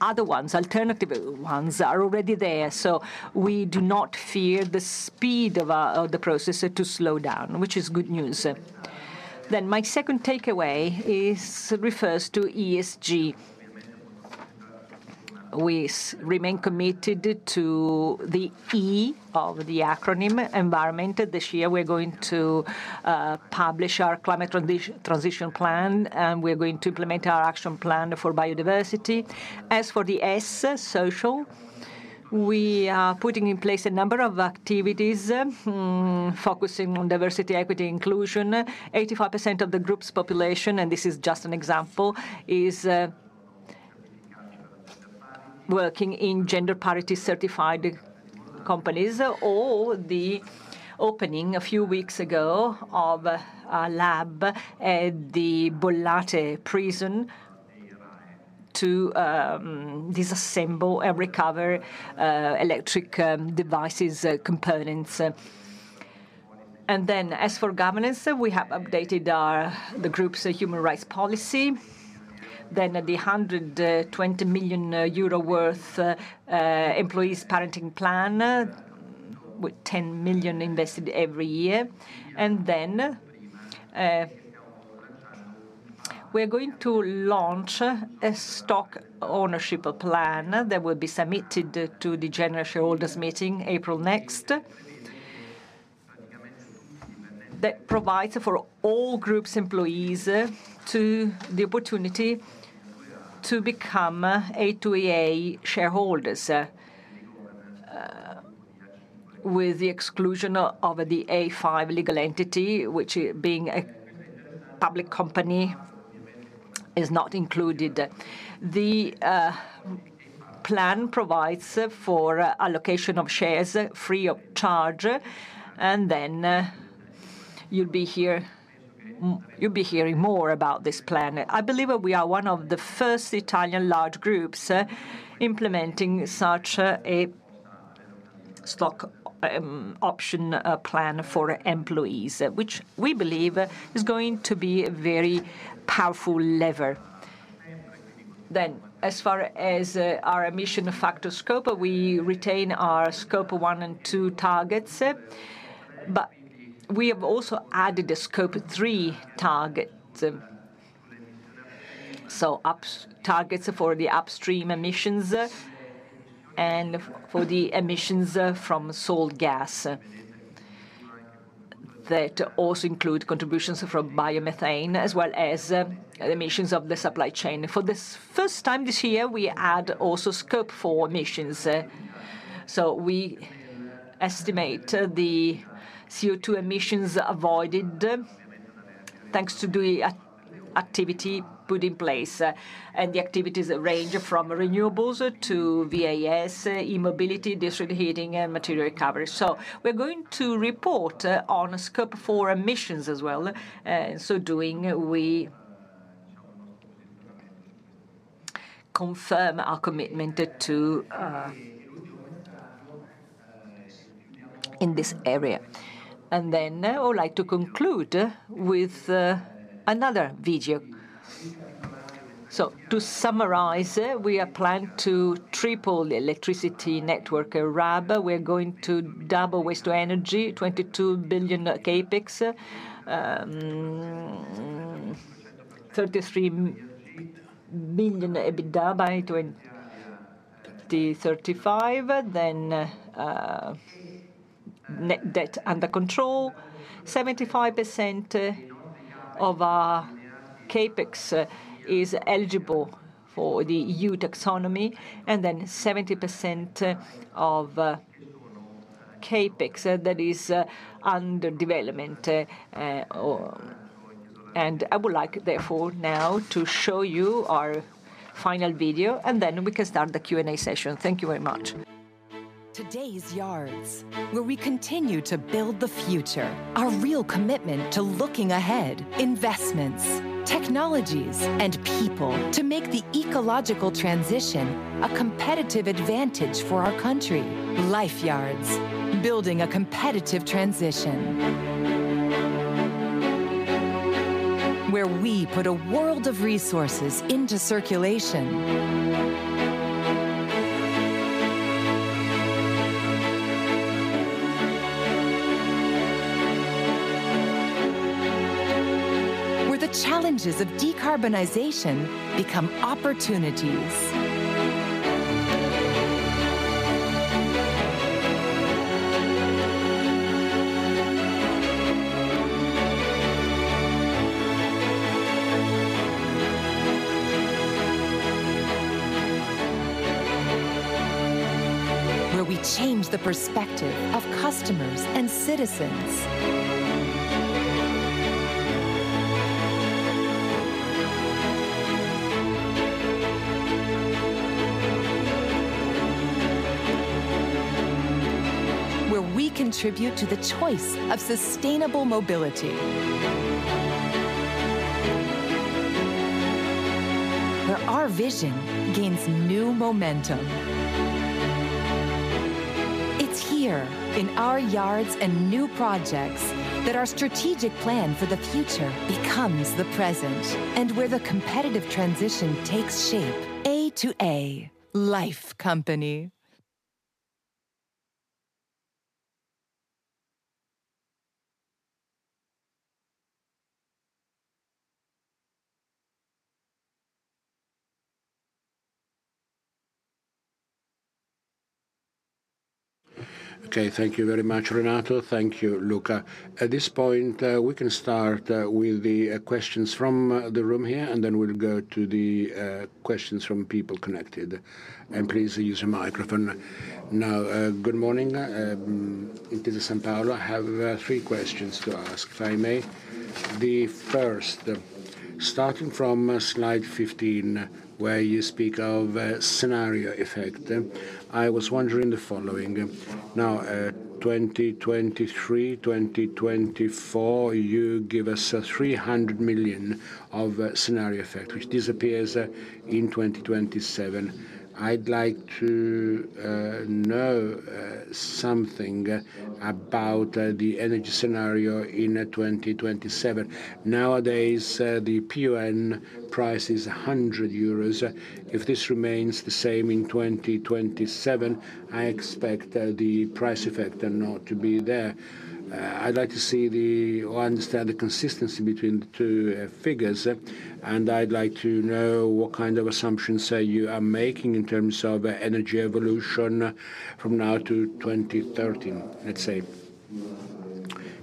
other ones, alternative ones, are already there. So we do not fear the speed of the process to slow down, which is good news. Then my second takeaway refers to ESG. We remain committed to the E of the acronym, Environment. This year, we're going to publish our climate transition plan, and we're going to implement our action plan for biodiversity. As for the S, Social, we are putting in place a number of activities focusing on diversity, equity, inclusion. 85% of the group's population, and this is just an example, is working in gender parity certified companies or the opening a few weeks ago of a lab at the Bollate Prison to disassemble and recover electric devices components. And then, as for governance, we have updated the group's human rights policy. Then the 120 million euro worth employees parenting plan with 10 million invested every year. And then we're going to launch a stock ownership plan that will be submitted to the general shareholders meeting April next that provides for all groups' employees the opportunity to become A2A shareholders with the exclusion of the Acinque, which being a public company is not included. The plan provides for allocation of shares free of charge, and then you'll be here hearing more about this plan. I believe we are one of the first Italian large groups implementing such a stock option plan for employees, which we believe is going to be a very powerful lever. As far as our emission factor scope, we retain our Scope 1 and 2 targets, but we have also added a Scope 3 target. Targets for the upstream emissions and for the emissions from sold gas that also include contributions from biomethane as well as the emissions of the supply chain. For the first time this year, we add also Scope 4 emissions. We estimate the CO2 emissions avoided thanks to the activity put in place. The activities range from renewables to Waste, e-mobility, district heating, and material recovery. We're going to report on Scope 4 emissions as well. So doing, we confirm our commitment in this area. And then I would like to conclude with another video. So to summarize, we are planning to triple the electricity network RAB. We're going to double waste to energy, 22 billion CapEx, 33 billion EBITDA by 2035. Then net debt under control, 75% of our CapEx is eligible for the EU Taxonomy, and then 70% of CapEx that is under development. And I would like, therefore, now to show you our final video, and then we can start the Q&A session. Thank you very much. Todays Yards, where we continue to build the future, our real commitment to looking ahead, investments, technologies, and people to make the ecological transition a competitive advantage for our country. Life Yards, building a competitive transition. Where we put a world of resources into circulation. Where the challenges of decarbonization become opportunities. Where we change the perspective of customers and citizens. Where we contribute to the choice of sustainable mobility. Where our vision gains new momentum. It's here in our yards and new projects that our strategic plan for the future becomes the present, and where the competitive transition takes shape. A2A Life Yards. Okay, thank you very much, Renato. Thank you, Luca. At this point, we can start with the questions from the room here, and then we'll go to the questions from people connected. And please use your microphone. Now, good morning. It is Intesa Sanpaolo. I have three questions to ask, if I may. The first, starting from slide 15, where you speak of scenario effect, I was wondering the following. Now, 2023, 2024, you give us 300 million of scenario effect, which disappears in 2027. I'd like to know something about the energy scenario in 2027. Nowadays, the PUN price is 100 euros. If this remains the same in 2027, I expect the price effect not to be there. I'd like to see or understand the consistency between the two figures, and I'd like to know what kind of assumptions you are making in terms of energy evolution from now to 2030, let's say.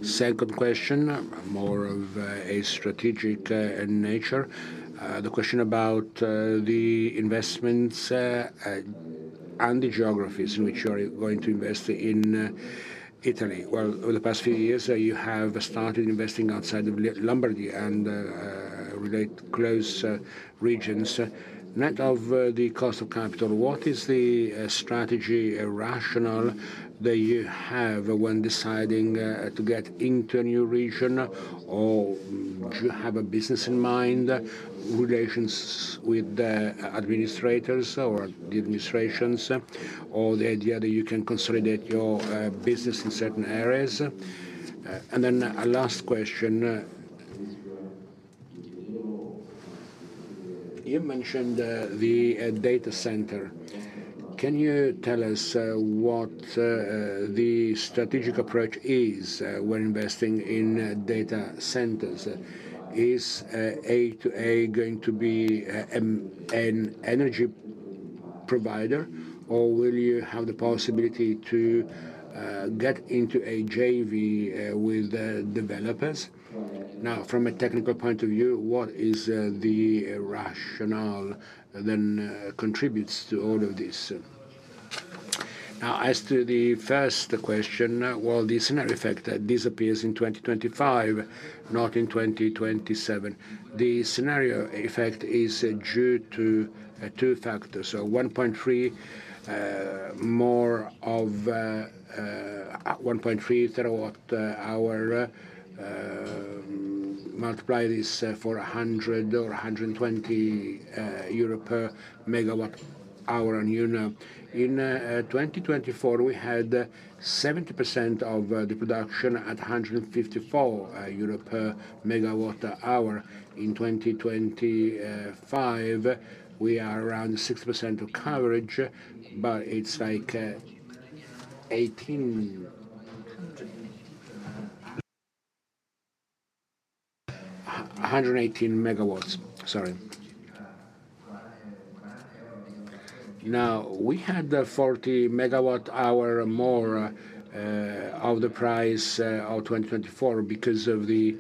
Second question, more of a strategic nature. The question about the investments and the geographies in which you are going to invest in Italy. Well, over the past few years, you have started investing outside of Lombardy and related close regions. Net of the cost of capital, what is the strategy rationale that you have when deciding to get into a new region, or do you have a business in mind, relations with the administrators or the administrations, or the idea that you can consolidate your business in certain areas? And then a last question. You mentioned the data center. Can you tell us what the strategic approach is when investing in data centers? Is A2A going to be an energy provider, or will you have the possibility to get into a JV with developers? Now, from a technical point of view, what is the rationale that contributes to all of this? Now, as to the first question, well, the scenario effect disappears in 2025, not in 2027. The scenario effect is due to two factors. So 1.3 more of 1.3 terawatt hour multiplied is for 100 or 120 euro per megawatt PUN. In 2024, we had 70% of the production at 154 euro per megawatt hour. In 2025, we are around 60% of coverage, but it's like 18 megawatts. Sorry. Now, we had 40 megawatt hour more of the price of 2024 because of the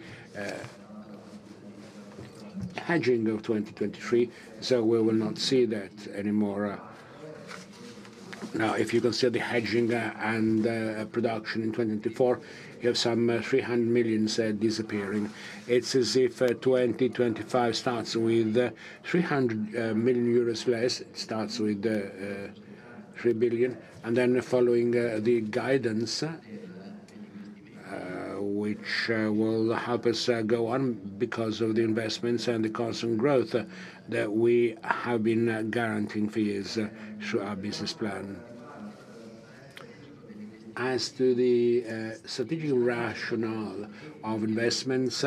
hedging of 2023, so we will not see that anymore. Now, if you consider the hedging and production in 2024, you have some 300 million disappearing. It's as if 2025 starts with 300 million euros less, starts with 3 billion, and then following the guidance, which will help us go on because of the investments and the constant growth that we have been guaranteeing for years through our business plan. As to the strategic rationale of investments,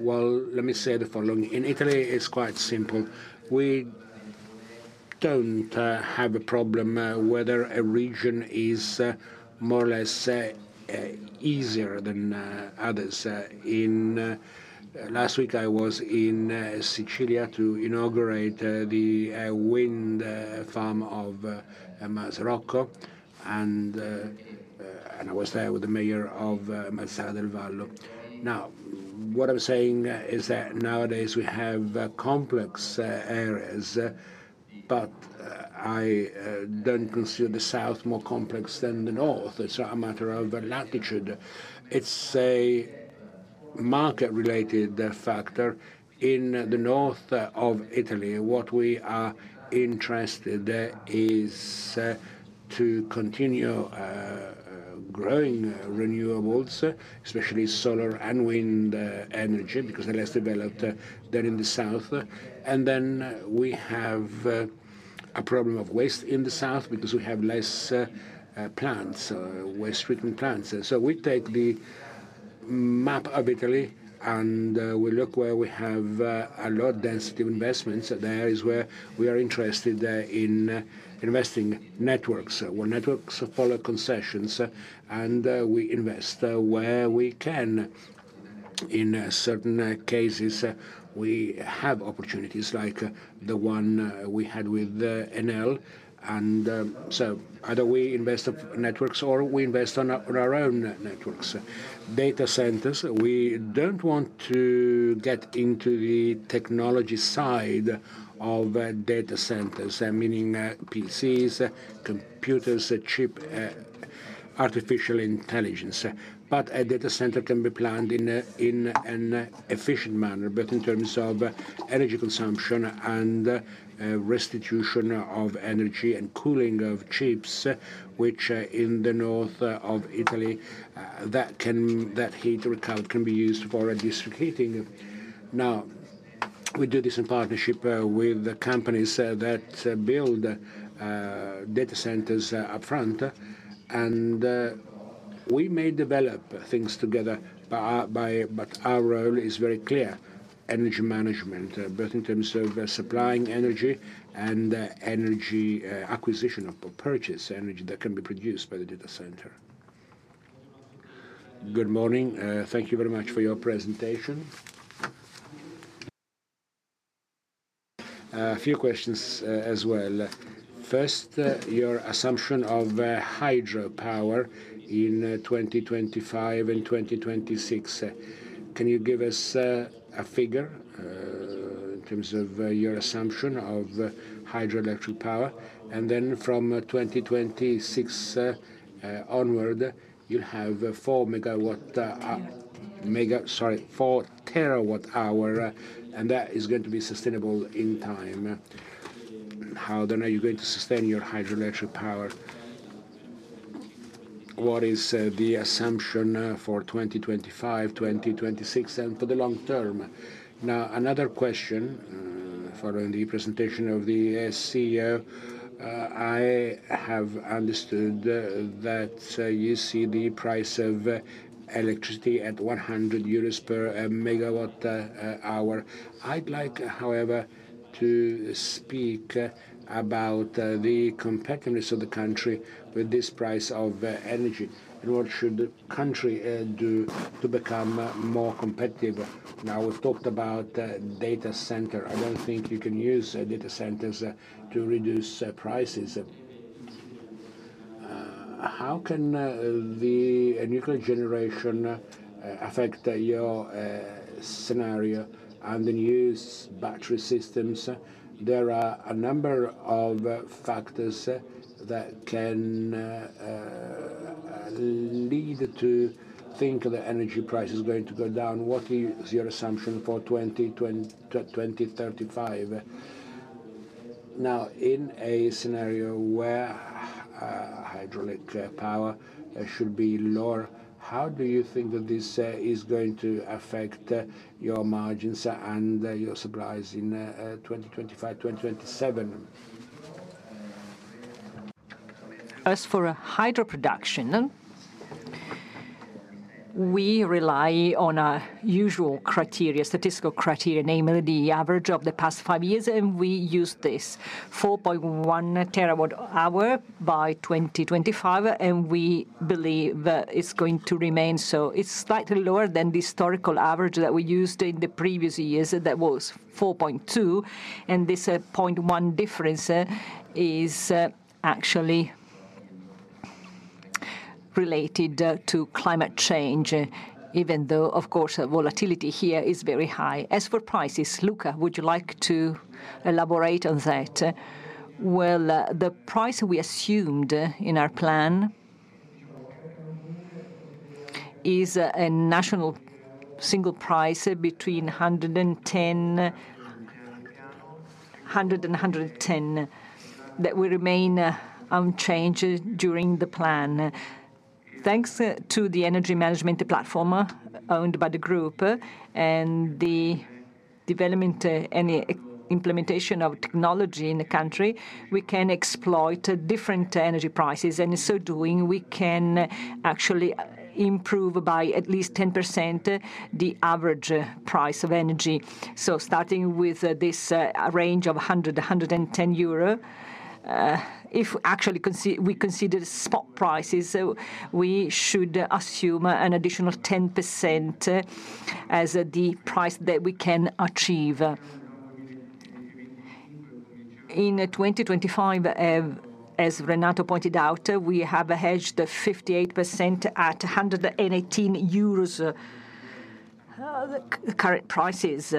well, let me say the following. In Italy, it's quite simple. We don't have a problem whether a region is more or less easier than others. Last week, I was in Sicily to inaugurate the wind farm of Mazara del Vallo, and I was there with the mayor of Mazara del Vallo. Now, what I'm saying is that nowadays we have complex areas, but I don't consider the south more complex than the north. It's not a matter of latitude. It's a market-related factor. In the north of Italy, what we are interested in is to continue growing renewables, especially solar and wind energy, because they're less developed than in the south, and then we have a problem of waste in the south because we have less plants, waste-treatment plants, so we take the map of Italy and we look where we have a lot of density of investments. There is where we are interested in investing in networks, well, networks follow concessions, and we invest where we can. In certain cases, we have opportunities like the one we had with Enel, and so either we invest in networks or we invest in our own networks, data centers. We don't want to get into the technology side of data centers, meaning PCs, computers, chip, artificial intelligence. But a data center can be planned in an efficient manner, both in terms of energy consumption and restitution of energy and cooling of chips, which in the north of Italy, that heat recovery can be used for district heating. Now, we do this in partnership with companies that build data centers upfront, and we may develop things together, but our role is very clear: energy management, both in terms of supplying energy and energy acquisition or purchase energy that can be produced by the data center. Good morning. Thank you very much for your presentation. A few questions as well. First, your assumption of hydropower in 2025 and 2026. Can you give us a figure in terms of your assumption of hydroelectric power? Then from 2026 onward, you'll have four megawatt, sorry, four terawatt hour, and that is going to be sustainable in time. How then are you going to sustain your hydroelectric power? What is the assumption for 2025, 2026, and for the long term? Now, another question following the presentation of the CEO. I have understood that you see the price of electricity at 100 euros per megawatt hour. I'd like, however, to speak about the competitiveness of the country with this price of energy. What should the country do to become more competitive? Now, we've talked about data center. I don't think you can use data centers to reduce prices. How can the nuclear generation affect your scenario and the new battery systems? There are a number of factors that can lead to, I think, the energy price is going to go down. What is your assumption for 2035? Now, in a scenario where hydraulic power should be lower, how do you think that this is going to affect your margins and your supplies in 2025, 2027? As for hydro production, we rely on our usual criteria, statistical criteria, namely the average of the past five years, and we use this: 4.1 terawatt hour by 2025, and we believe it's going to remain. So it's slightly lower than the historical average that we used in the previous years that was 4.2, and this 0.1 difference is actually related to climate change, even though, of course, volatility here is very high. As for prices, Luca, would you like to elaborate on that? Well, the price we assumed in our plan is a national single price between 100 and 110 that will remain unchanged during the plan. Thanks to the energy management platform owned by the group and the development and implementation of technology in the country, we can exploit different energy prices, and in so doing, we can actually improve by at least 10% the average price of energy. So starting with this range of 100-110 euro, if actually we consider spot prices, we should assume an additional 10% as the price that we can achieve. In 2025, as Renato pointed out, we have hedged 58% at 118 euros. The current prices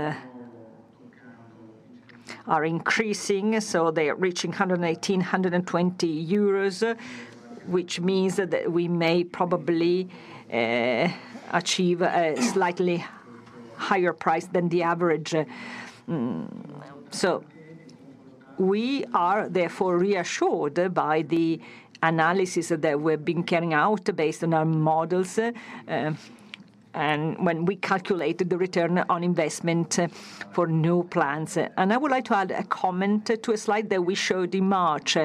are increasing, so they are reaching 118-120 euros, which means that we may probably achieve a slightly higher price than the average. So we are therefore reassured by the analysis that we've been carrying out based on our models and when we calculated the return on investment for new plants. I would like to add a comment to a slide that we showed in March.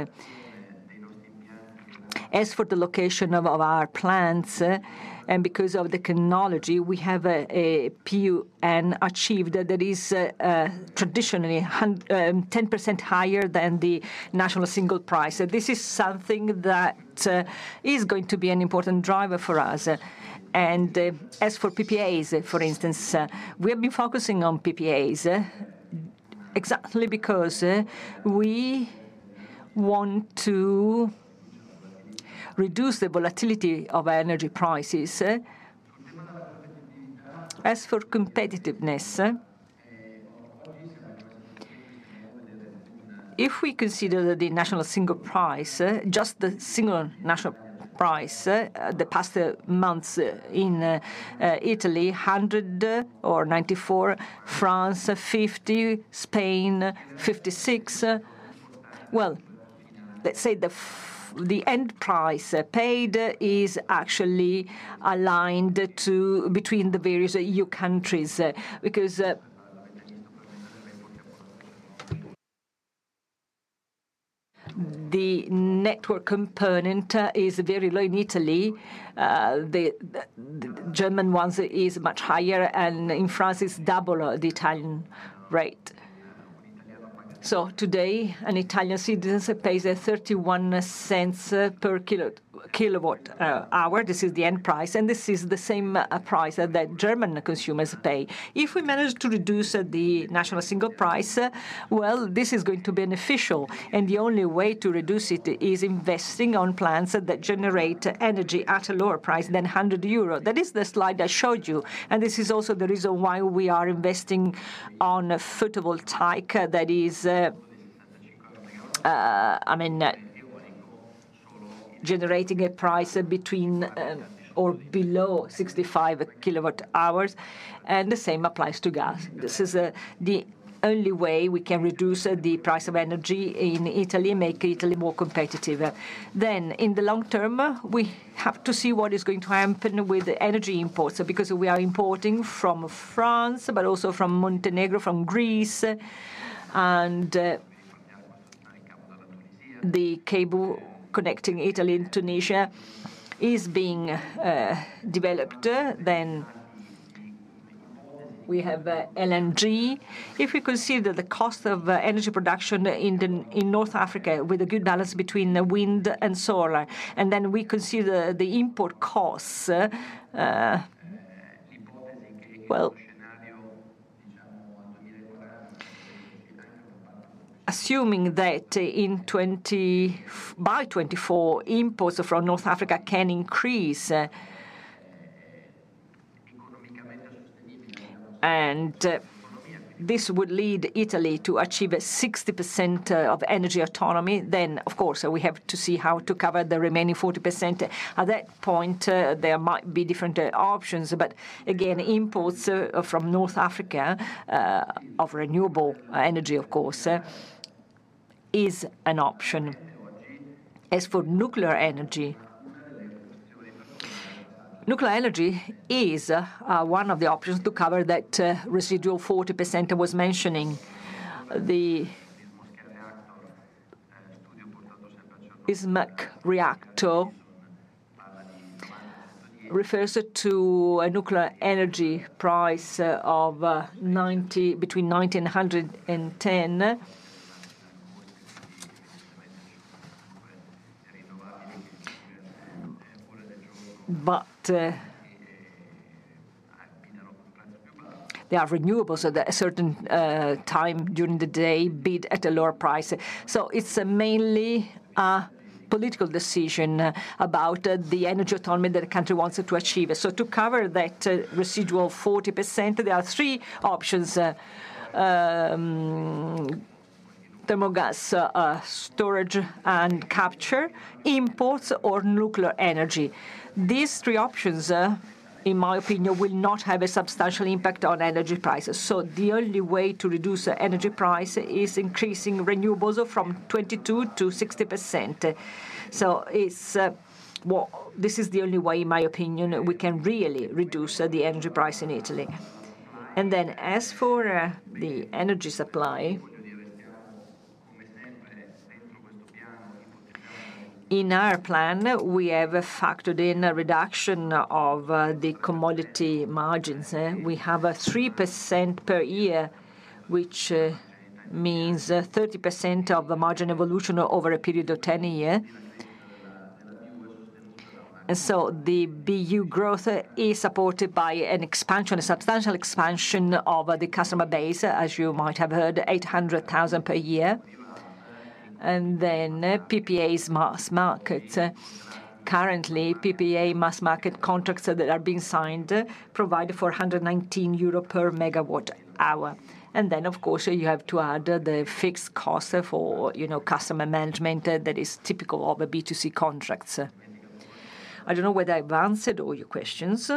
As for the location of our plants, and because of the technology, we have a PUN achieved that is traditionally 10% higher than the national single price. This is something that is going to be an important driver for us. As for PPAs, for instance, we have been focusing on PPAs exactly because we want to reduce the volatility of energy prices. As for competitiveness, if we consider the national single price, just the single national price, the past months in Italy, 100 or 94, France, 50, Spain, 56. Let's say the end price paid is actually aligned between the various EU countries because the network component is very low in Italy. The German one is much higher, and in France, it's double the Italian rate. Today, an Italian citizen pays 0.31 per kilowatt hour. This is the end price, and this is the same price that German consumers pay. If we manage to reduce the national single price, well, this is going to be beneficial. The only way to reduce it is investing in plants that generate energy at a lower price than 100 euro. That is the slide I showed you. This is also the reason why we are investing in a photovoltaic type that is, I mean, generating a price between or below 65 per MWh. The same applies to gas. This is the only way we can reduce the price of energy in Italy, make Italy more competitive. Then, in the long term, we have to see what is going to happen with energy imports because we are importing from France, but also from Montenegro, from Greece, and the cable connecting Italy and Tunisia is being developed, then we have LNG. If we consider the cost of energy production in North Africa with a good balance between wind and solar, and then we consider the import costs, well, assuming that by 2024, imports from North Africa can increase, and this would lead Italy to achieve 60% of energy autonomy, then, of course, we have to see how to cover the remaining 40%. At that point, there might be different options, but again, imports from North Africa of renewable energy, of course, is an option. As for nuclear energy, nuclear energy is one of the options to cover that residual 40% I was mentioning. The SMR reactor refers to a nuclear energy price of between EUR 90-EUR 110, but they are renewables at a certain time during the day, bid at a lower price, so it's mainly a political decision about the energy autonomy that the country wants to achieve, so to cover that residual 40%, there are three options: thermal gas storage and capture, imports, or nuclear energy. These three options, in my opinion, will not have a substantial impact on energy prices, so the only way to reduce energy price is increasing renewables from 22%-60%, so this is the only way, in my opinion, we can really reduce the energy price in Italy, and then as for the energy supply, in our plan, we have factored in a reduction of the commodity margins. We have a 3% per year, which means 30% of the margin evolution over a period of 10 years. And so the BU growth is supported by an expansion, a substantial expansion of the customer base, as you might have heard, 800,000 per year. And then PPA's mass market. Currently, PPA mass market contracts that are being signed provide for 119 euro per megawatt hour. And then, of course, you have to add the fixed cost for customer management that is typical of B2C contracts. I don't know whether I've answered all your questions.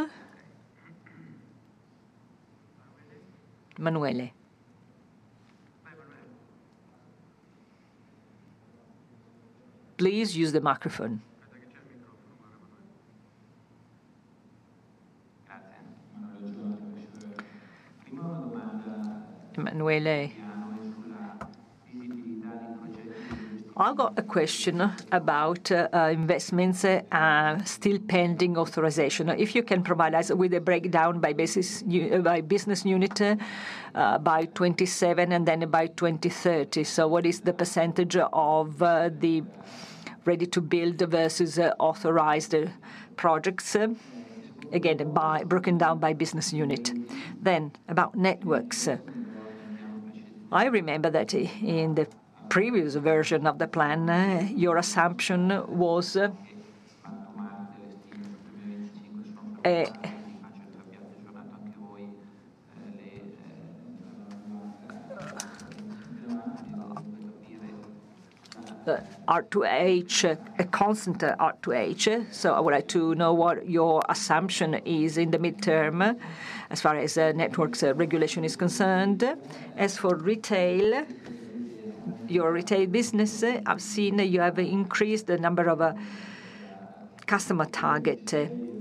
Emanuele, please use the microphone. I've got a question about investments and still pending authorization. If you can provide us with a breakdown by business unit by 2027 and then by 2030. So what is the percentage of the ready-to-build versus authorized projects? Again, broken down by business unit. Then about networks. I remember that in the previous version of the plan, your assumption was RAB, a constant RAB. So I would like to know what your assumption is in the midterm as far as networks regulation is concerned. As for retail, your retail business, I've seen that you have increased the number of customer target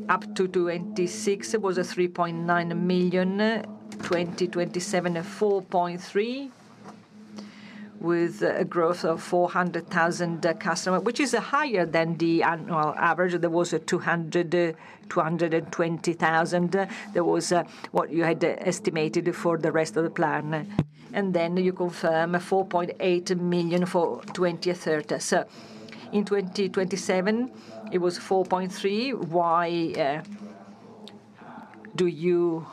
up to 2026 was 3.9 million, 2027, 4.3, with a growth of 400,000 customers, which is higher than the annual average that was 200-220,000. That was what you had estimated for the rest of the plan. And then you confirmed 4.8 million for 2030. So in 2027, it was 4.3. Why do you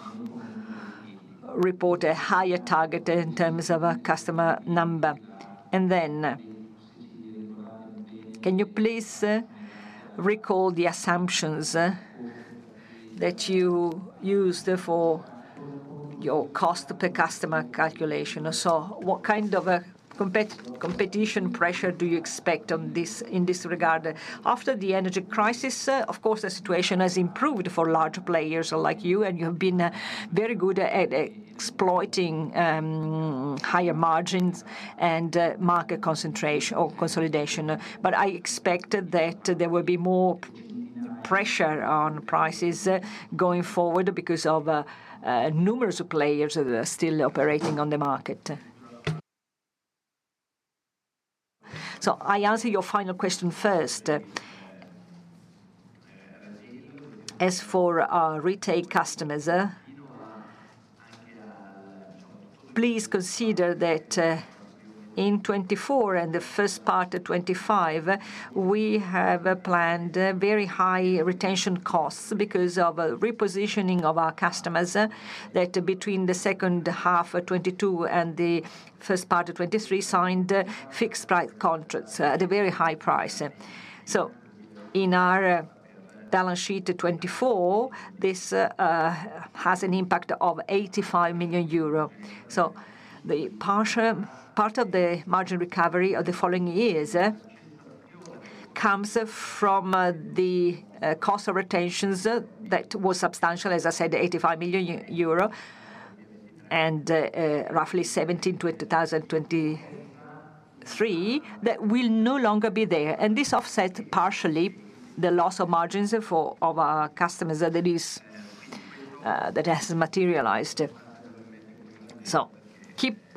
report a higher target in terms of customer number? And then can you please recall the assumptions that you used for your cost per customer calculation? So what kind of competition pressure do you expect in this regard? After the energy crisis, of course, the situation has improved for large players like you, and you have been very good at exploiting higher margins and market consolidation. But I expected that there will be more pressure on prices going forward because of numerous players that are still operating on the market. So I answer your final question first. As for retail customers, please consider that in 2024 and the first part of 2025, we have planned very high retention costs because of repositioning of our customers that between the second half of 2022 and the first part of 2023 signed fixed price contracts at a very high price. So in our balance sheet of 2024, this has an impact of 85 million euro. The partial part of the margin recovery of the following years comes from the cost of retentions that was substantial, as I said, 85 million euro and roughly 17 to 2023 that will no longer be there. This offsets partially the loss of margins of our customers that has materialized. Keep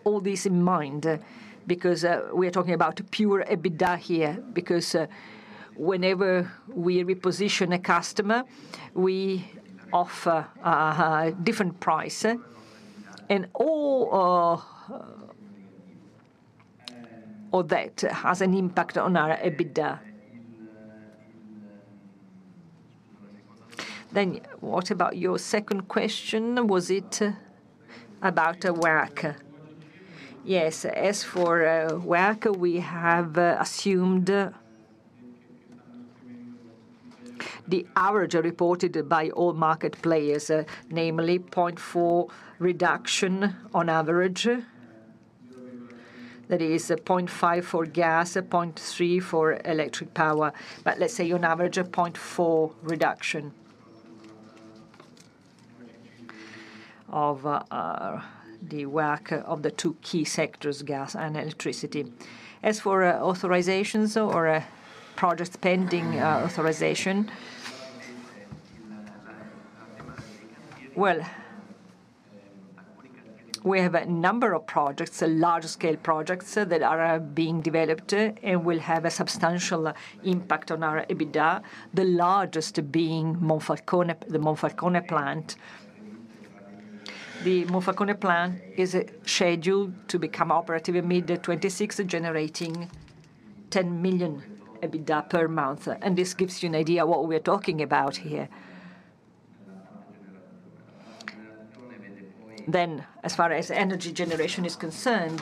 all this in mind because we are talking about pure EBITDA here because whenever we reposition a customer, we offer a different price. All of that has an impact on our EBITDA. What about your second question? Was it about WACC? Yes. As for WACC, we have assumed the average reported by all market players, namely 0.4 reduction on average. That is 0.5 for gas, 0.3 for electric power. Let's say on average a 0.4 reduction of the WACC of the two key sectors, gas and electricity. As for authorizations or projects pending authorization, well, we have a number of projects, large-scale projects that are being developed and will have a substantial impact on our EBITDA, the largest being the Monfalcone plant. The Monfalcone plant is scheduled to become operative in mid-2026, generating 10 million EBITDA per month. And this gives you an idea of what we are talking about here. Then, as far as energy generation is concerned,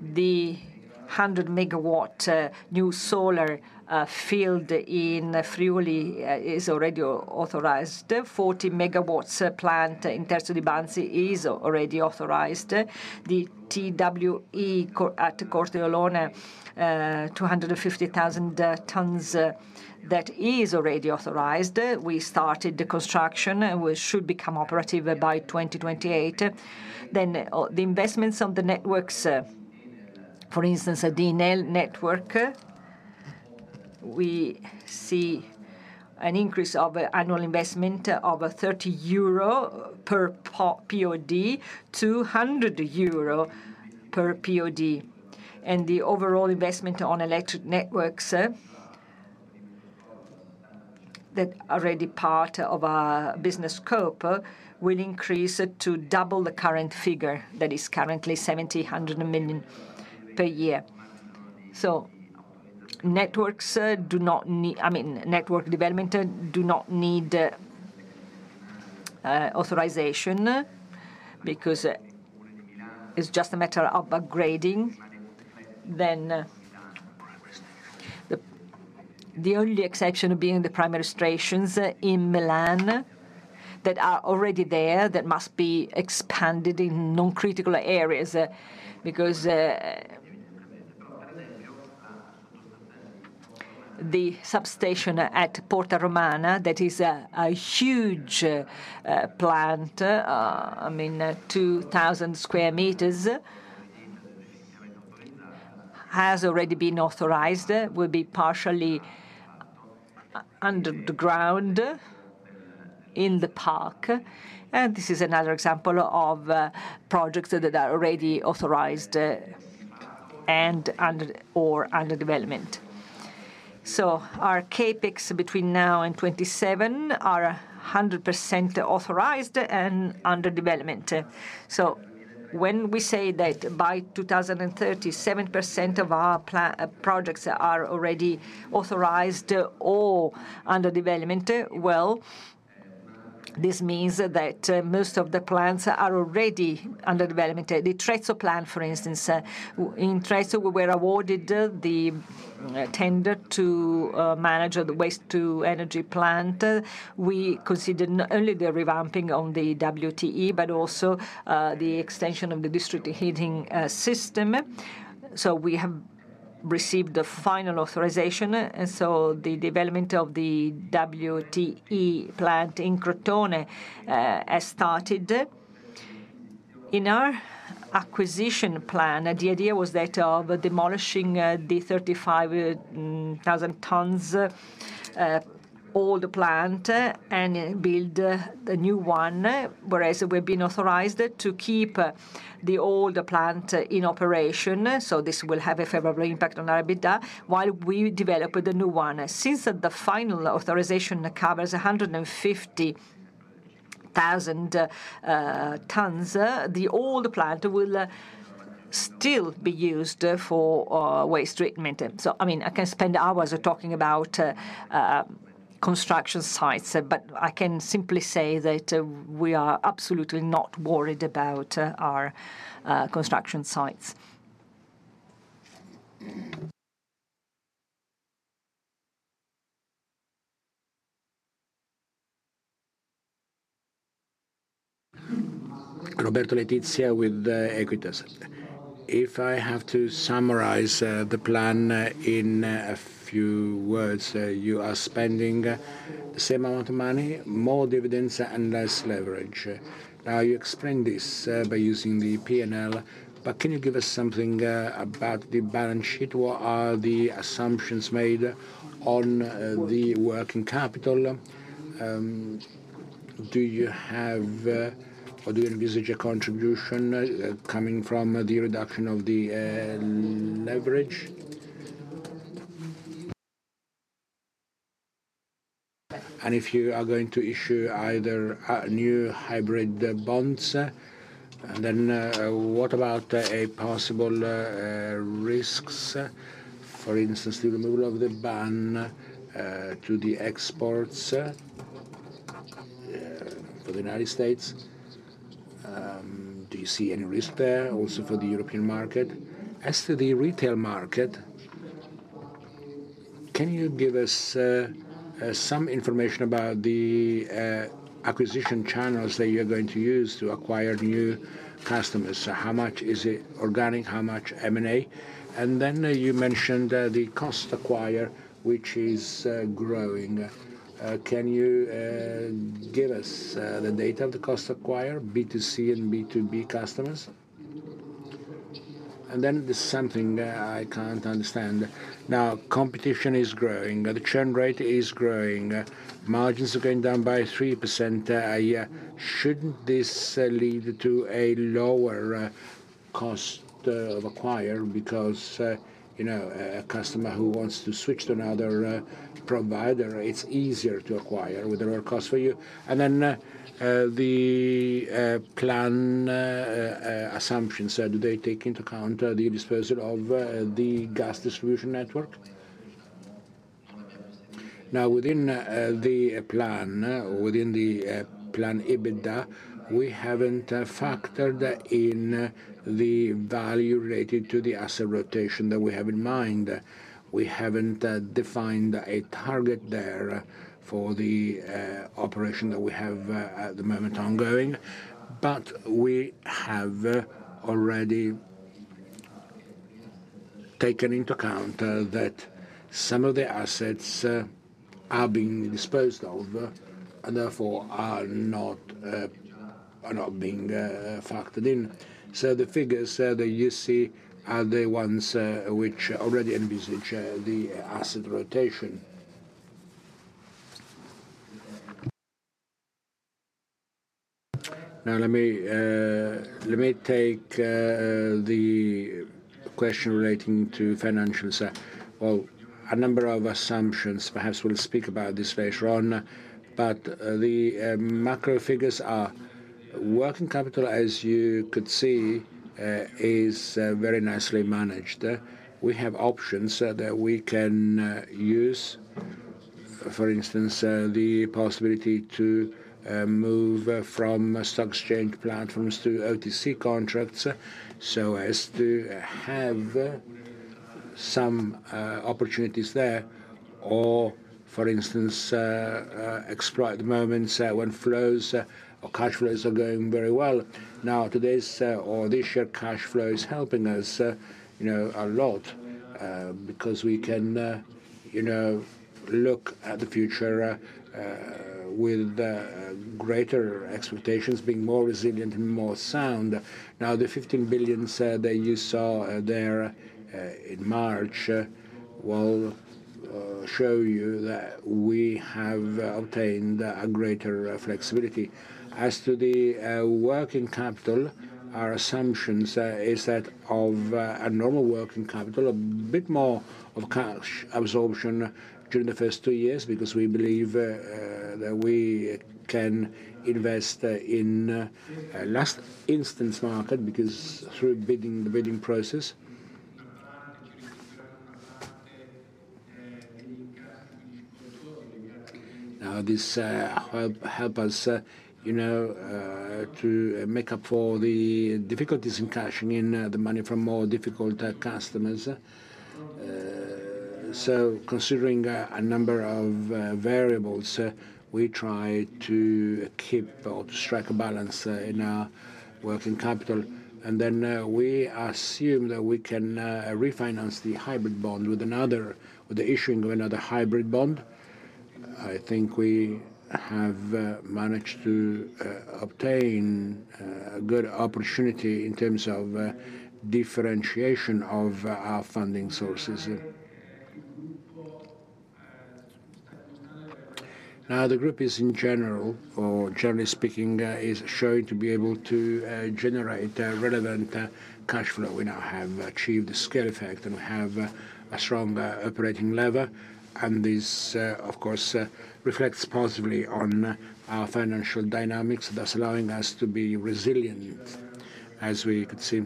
the 100 megawatt new solar field in Friuli is already authorized. 40 megawatts plant in Banzi is already authorized. The WTE at Corteolona, 250,000 tons that is already authorized. We started the construction and we should become operative by 2028. Then the investments on the networks, for instance, the Enel network, we see an increase of annual investment of 30 euro per POD, 200 euro per POD. The overall investment on electric networks that are already part of our business scope will increase to double the current figure that is currently 1,700 million per year. Networks do not need, I mean, network development do not need authorization because it's just a matter of upgrading. The only exception being the primary stations in Milan that are already there that must be expanded in non-critical areas because the substation at Porta Romana that is a huge plant, I mean, 2,000 square meters, has already been authorized, will be partially underground in the park. This is another example of projects that are already authorized and under development. Our Capex between now and 2027 are 100% authorized and under development. So when we say that by 2030, 7% of our projects are already authorized or under development, well, this means that most of the plants are already under development. The Trezzo plant, for instance, in Trezzo, we were awarded the tender to manage the waste-to-energy plant. We considered not only the revamping of the WTE, but also the extension of the district heating system. So we have received the final authorization. And so the development of the WTE plant in Crotone has started. In our acquisition plan, the idea was that of demolishing the 35,000 tons old plant and build a new one, whereas we've been authorized to keep the old plant in operation. So this will have a favorable impact on our EBITDA while we develop the new one. Since the final authorization covers 150,000 tons, the old plant will still be used for waste treatment. So, I mean, I can spend hours talking about construction sites, but I can simply say that we are absolutely not worried about our construction sites. Roberto Letizia with Equita. If I have to summarize the plan in a few words, you are spending the same amount of money, more dividends, and less leverage. Now, you explained this by using the P&L, but can you give us something about the balance sheet? What are the assumptions made on the working capital? Do you have or do you envisage a contribution coming from the reduction of the leverage? And if you are going to issue either new hybrid bonds, then what about possible risks, for instance, the removal of the ban to the exports for the United States? Do you see any risk there also for the European market? As to the retail market, can you give us some information about the acquisition channels that you're going to use to acquire new customers? How much is it organic? How much M&A? And then you mentioned the cost acquire, which is growing. Can you give us the data of the cost acquire, B2C and B2B customers? And then there's something I can't understand. Now, competition is growing. The churn rate is growing. Margins are going down by 3% a year. Shouldn't this lead to a lower cost of acquire because a customer who wants to switch to another provider, it's easier to acquire with a lower cost for you? And then the plan assumptions, do they take into account the disposal of the gas distribution network? Now, within the plan, within the plan EBITDA, we haven't factored in the value related to the asset rotation that we have in mind. We haven't defined a target there for the operation that we have at the moment ongoing. But we have already taken into account that some of the assets are being disposed of and therefore are not being factored in. So the figures that you see are the ones which already envisage the asset rotation. Now, let me take the question relating to financials. Well, a number of assumptions, perhaps we'll speak about this later on, but the macro figures are working capital, as you could see, is very nicely managed. We have options that we can use, for instance, the possibility to move from stock exchange platforms to OTC contracts so as to have some opportunities there or, for instance, exploit the moments when flows or cash flows are going very well. Now, today's or this year's cash flow is helping us a lot because we can look at the future with greater expectations, being more resilient and more sound. Now, the 15 billion that you saw there in March will show you that we have obtained a greater flexibility. As to the working capital, our assumption is that of a normal working capital, a bit more of cash absorption during the first two years because we believe that we can invest in last instance market because through bidding, the bidding process. Now, this helps us to make up for the difficulties in cashing in the money from more difficult customers. So considering a number of variables, we try to keep or to strike a balance in our working capital, and then we assume that we can refinance the hybrid bond with another, with the issuing of another hybrid bond. I think we have managed to obtain a good opportunity in terms of differentiation of our funding sources. Now, the group is in general, or generally speaking, is showing to be able to generate relevant cash flow. We now have achieved the scale effect and we have a strong operating lever. And this, of course, reflects positively on our financial dynamics, thus allowing us to be resilient, as we could see.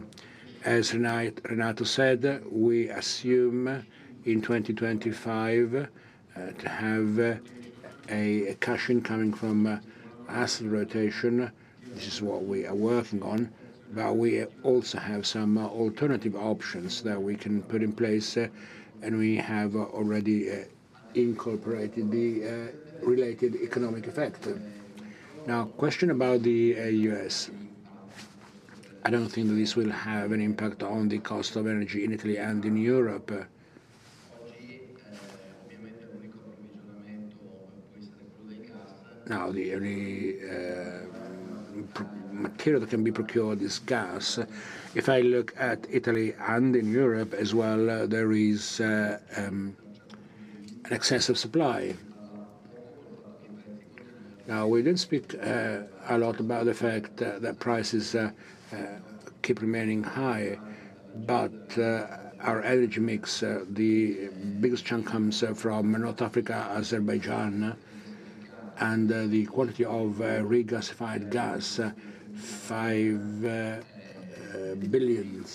As Renato said, we assume in 2025 to have a cash incoming from asset rotation. This is what we are working on. But we also have some alternative options that we can put in place, and we have already incorporated the related economic effect. Now, question about the U.S. I don't think that this will have an impact on the cost of energy in Italy and in Europe. Now, the material that can be procured is gas. If I look at Italy and in Europe as well, there is an excessive supply. Now, we didn't speak a lot about the fact that prices keep remaining high, but our energy mix, the biggest chunk comes from North Africa, Azerbaijan, and the quantity of regasified gas, 5 billion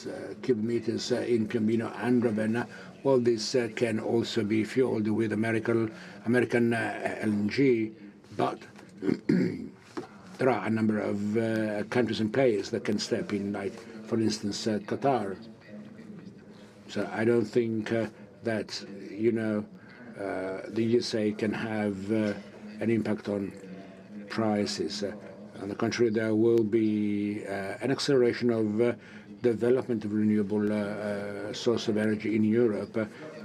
cubic meters in combined cycle plants, well, this can also be fueled with American LNG, but there are a number of countries and players that can step in, like for instance, Qatar. So I don't think that the USA can have an impact on prices. On the contrary, there will be an acceleration of development of renewable sources of energy in Europe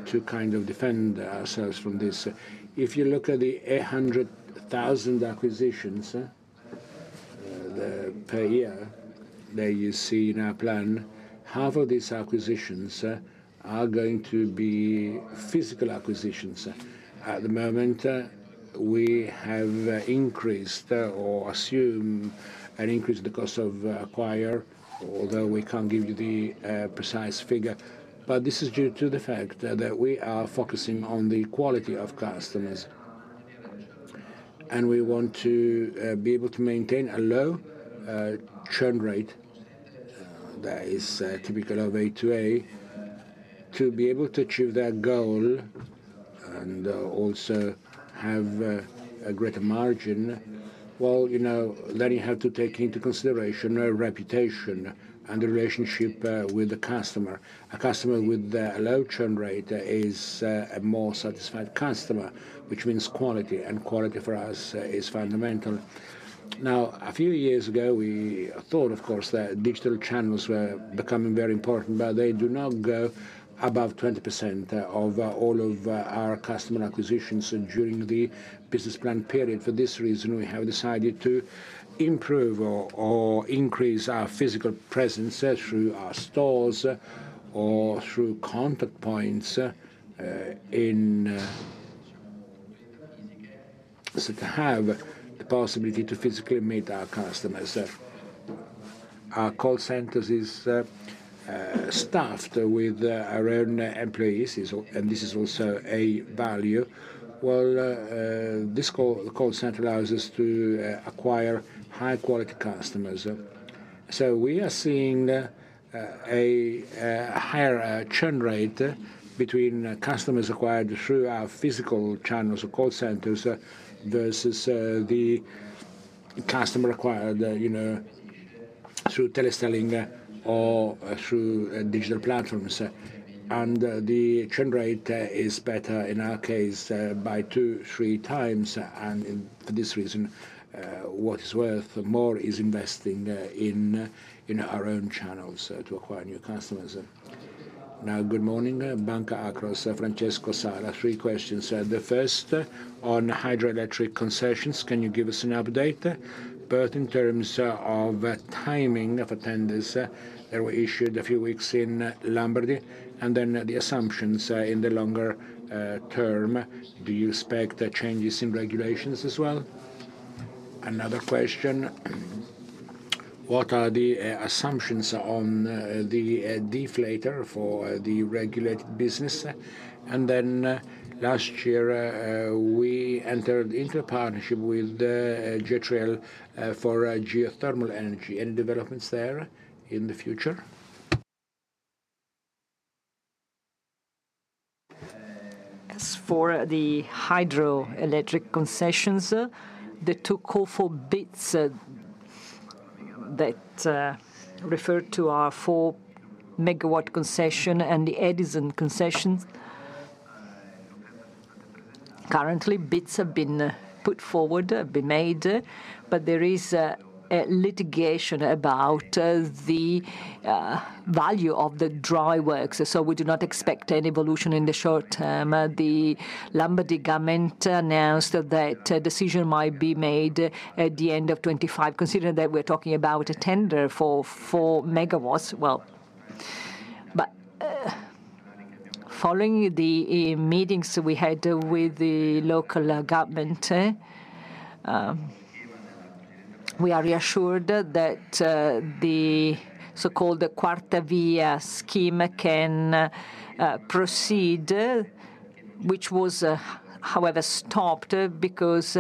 to kind of defend ourselves from this. If you look at the 100,000 acquisitions per year, there you see in our plan, half of these acquisitions are going to be physical acquisitions. At the moment, we have increased or assume an increase in the cost of acquisition, although we can't give you the precise figure, but this is due to the fact that we are focusing on the quality of customers, and we want to be able to maintain a low churn rate that is typical of A2A to be able to achieve that goal and also have a greater margin. You have to take into consideration reputation and the relationship with the customer. A customer with a low churn rate is a more satisfied customer, which means quality, and quality for us is fundamental. Now, a few years ago, we thought, of course, that digital channels were becoming very important, but they do not go above 20% of all of our customer acquisitions during the business plan period. For this reason, we have decided to improve or increase our physical presence through our stores or through contact points in order to have the possibility to physically meet our customers. Our call center is staffed with our own employees, and this is also a value. This call center allows us to acquire high-quality customers. So we are seeing a higher churn rate between customers acquired through our physical channels or call centers versus the customer acquired through teleselling or through digital platforms. And the churn rate is better in our case by two, three times. And for this reason, what is worth more is investing in our own channels to acquire new customers. Now, good morning, Banca Akros, Francesco Sala. Three questions. The first, on hydroelectric concessions, can you give us an update? Both in terms of timing of the tenders that were issued a few weeks ago in Lombardy, and then the assumptions in the longer term, do you expect changes in regulations as well? Another question. What are the assumptions on the deflator for the regulated business? And then last year, we entered into a partnership with Fri-El for Fri-El geothermal energy and developments there in the future?. As for the hydroelectric concessions, the two calls for bids that refer to our four megawatt concession and the Edison concessions. Currently, bids have been put forward, but there is litigation about the value of the dry works, so we do not expect any evolution in the short term. The Lombardy government announced that a decision might be made at the end of 2025, considering that we're talking about a tender for four megawatts. But following the meetings we had with the local government, we are reassured that the so-called Quarta Via scheme can proceed, which was, however, stopped because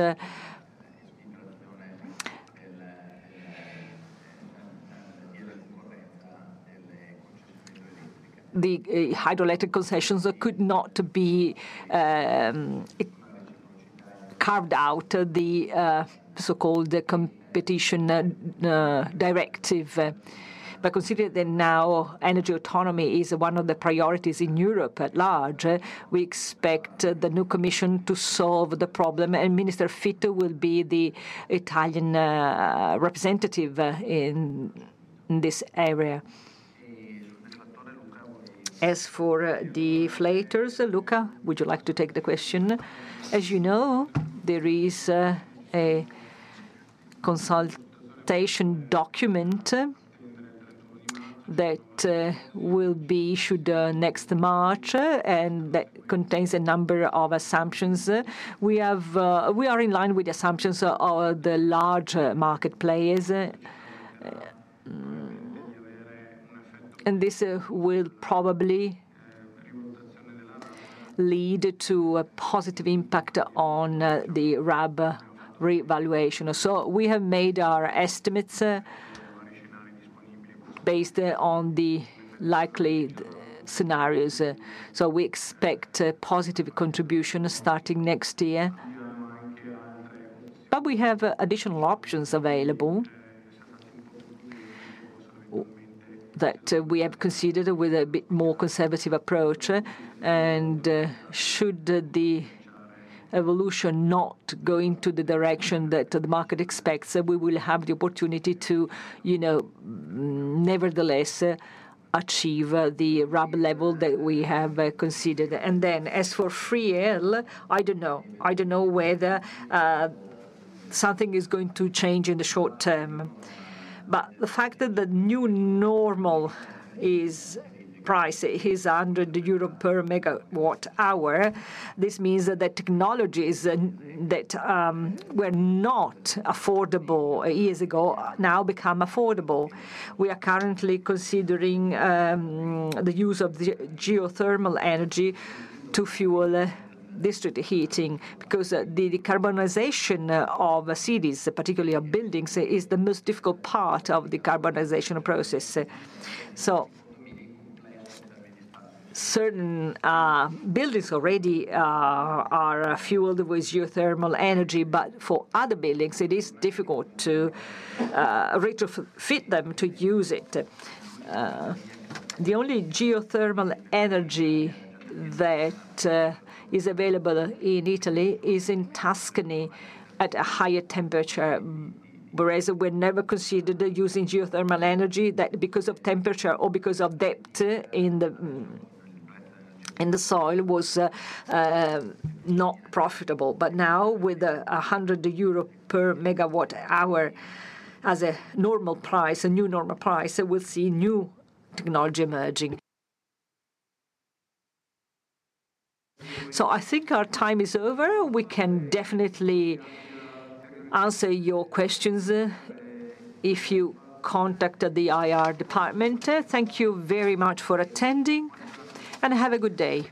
the hydroelectric concessions could not be carved out the so-called competition directive. But considering that now energy autonomy is one of the priorities in Europe at large, we expect the new commission to solve the problem, and Minister Fitto will be the Italian representative in this area. As for the latter, Luca, would you like to take the question? As you know, there is a consultation document that will be issued next March and that contains a number of assumptions. We are in line with the assumptions of the large market players, and this will probably lead to a positive impact on the RAB revaluation. So we have made our estimates based on the likely scenarios. We expect positive contribution starting next year. But we have additional options available that we have considered with a bit more conservative approach. And should the evolution not go into the direction that the market expects, we will have the opportunity to nevertheless achieve the RAB level that we have considered. And then as for Fri-El, I don't know. I don't know whether something is going to change in the short term. But the fact that the new normal price is under the euro per megawatt hour, this means that the technologies that were not affordable years ago now become affordable. We are currently considering the use of geothermal energy to fuel district heating because the decarbonization of cities, particularly of buildings, is the most difficult part of the decarbonization process. So certain buildings already are fueled with geothermal energy, but for other buildings, it is difficult to retrofit them to use it. The only geothermal energy that is available in Italy is in Tuscany at a higher temperature. Whereas we never considered using geothermal energy that because of temperature or because of depth in the soil was not profitable. But now, with 100 euro per megawatt hour as a normal price, a new normal price, we'll see new technology emerging. So I think our time is over. We can definitely answer your questions if you contact the IR department. Thank you very much for attending, and have a good day.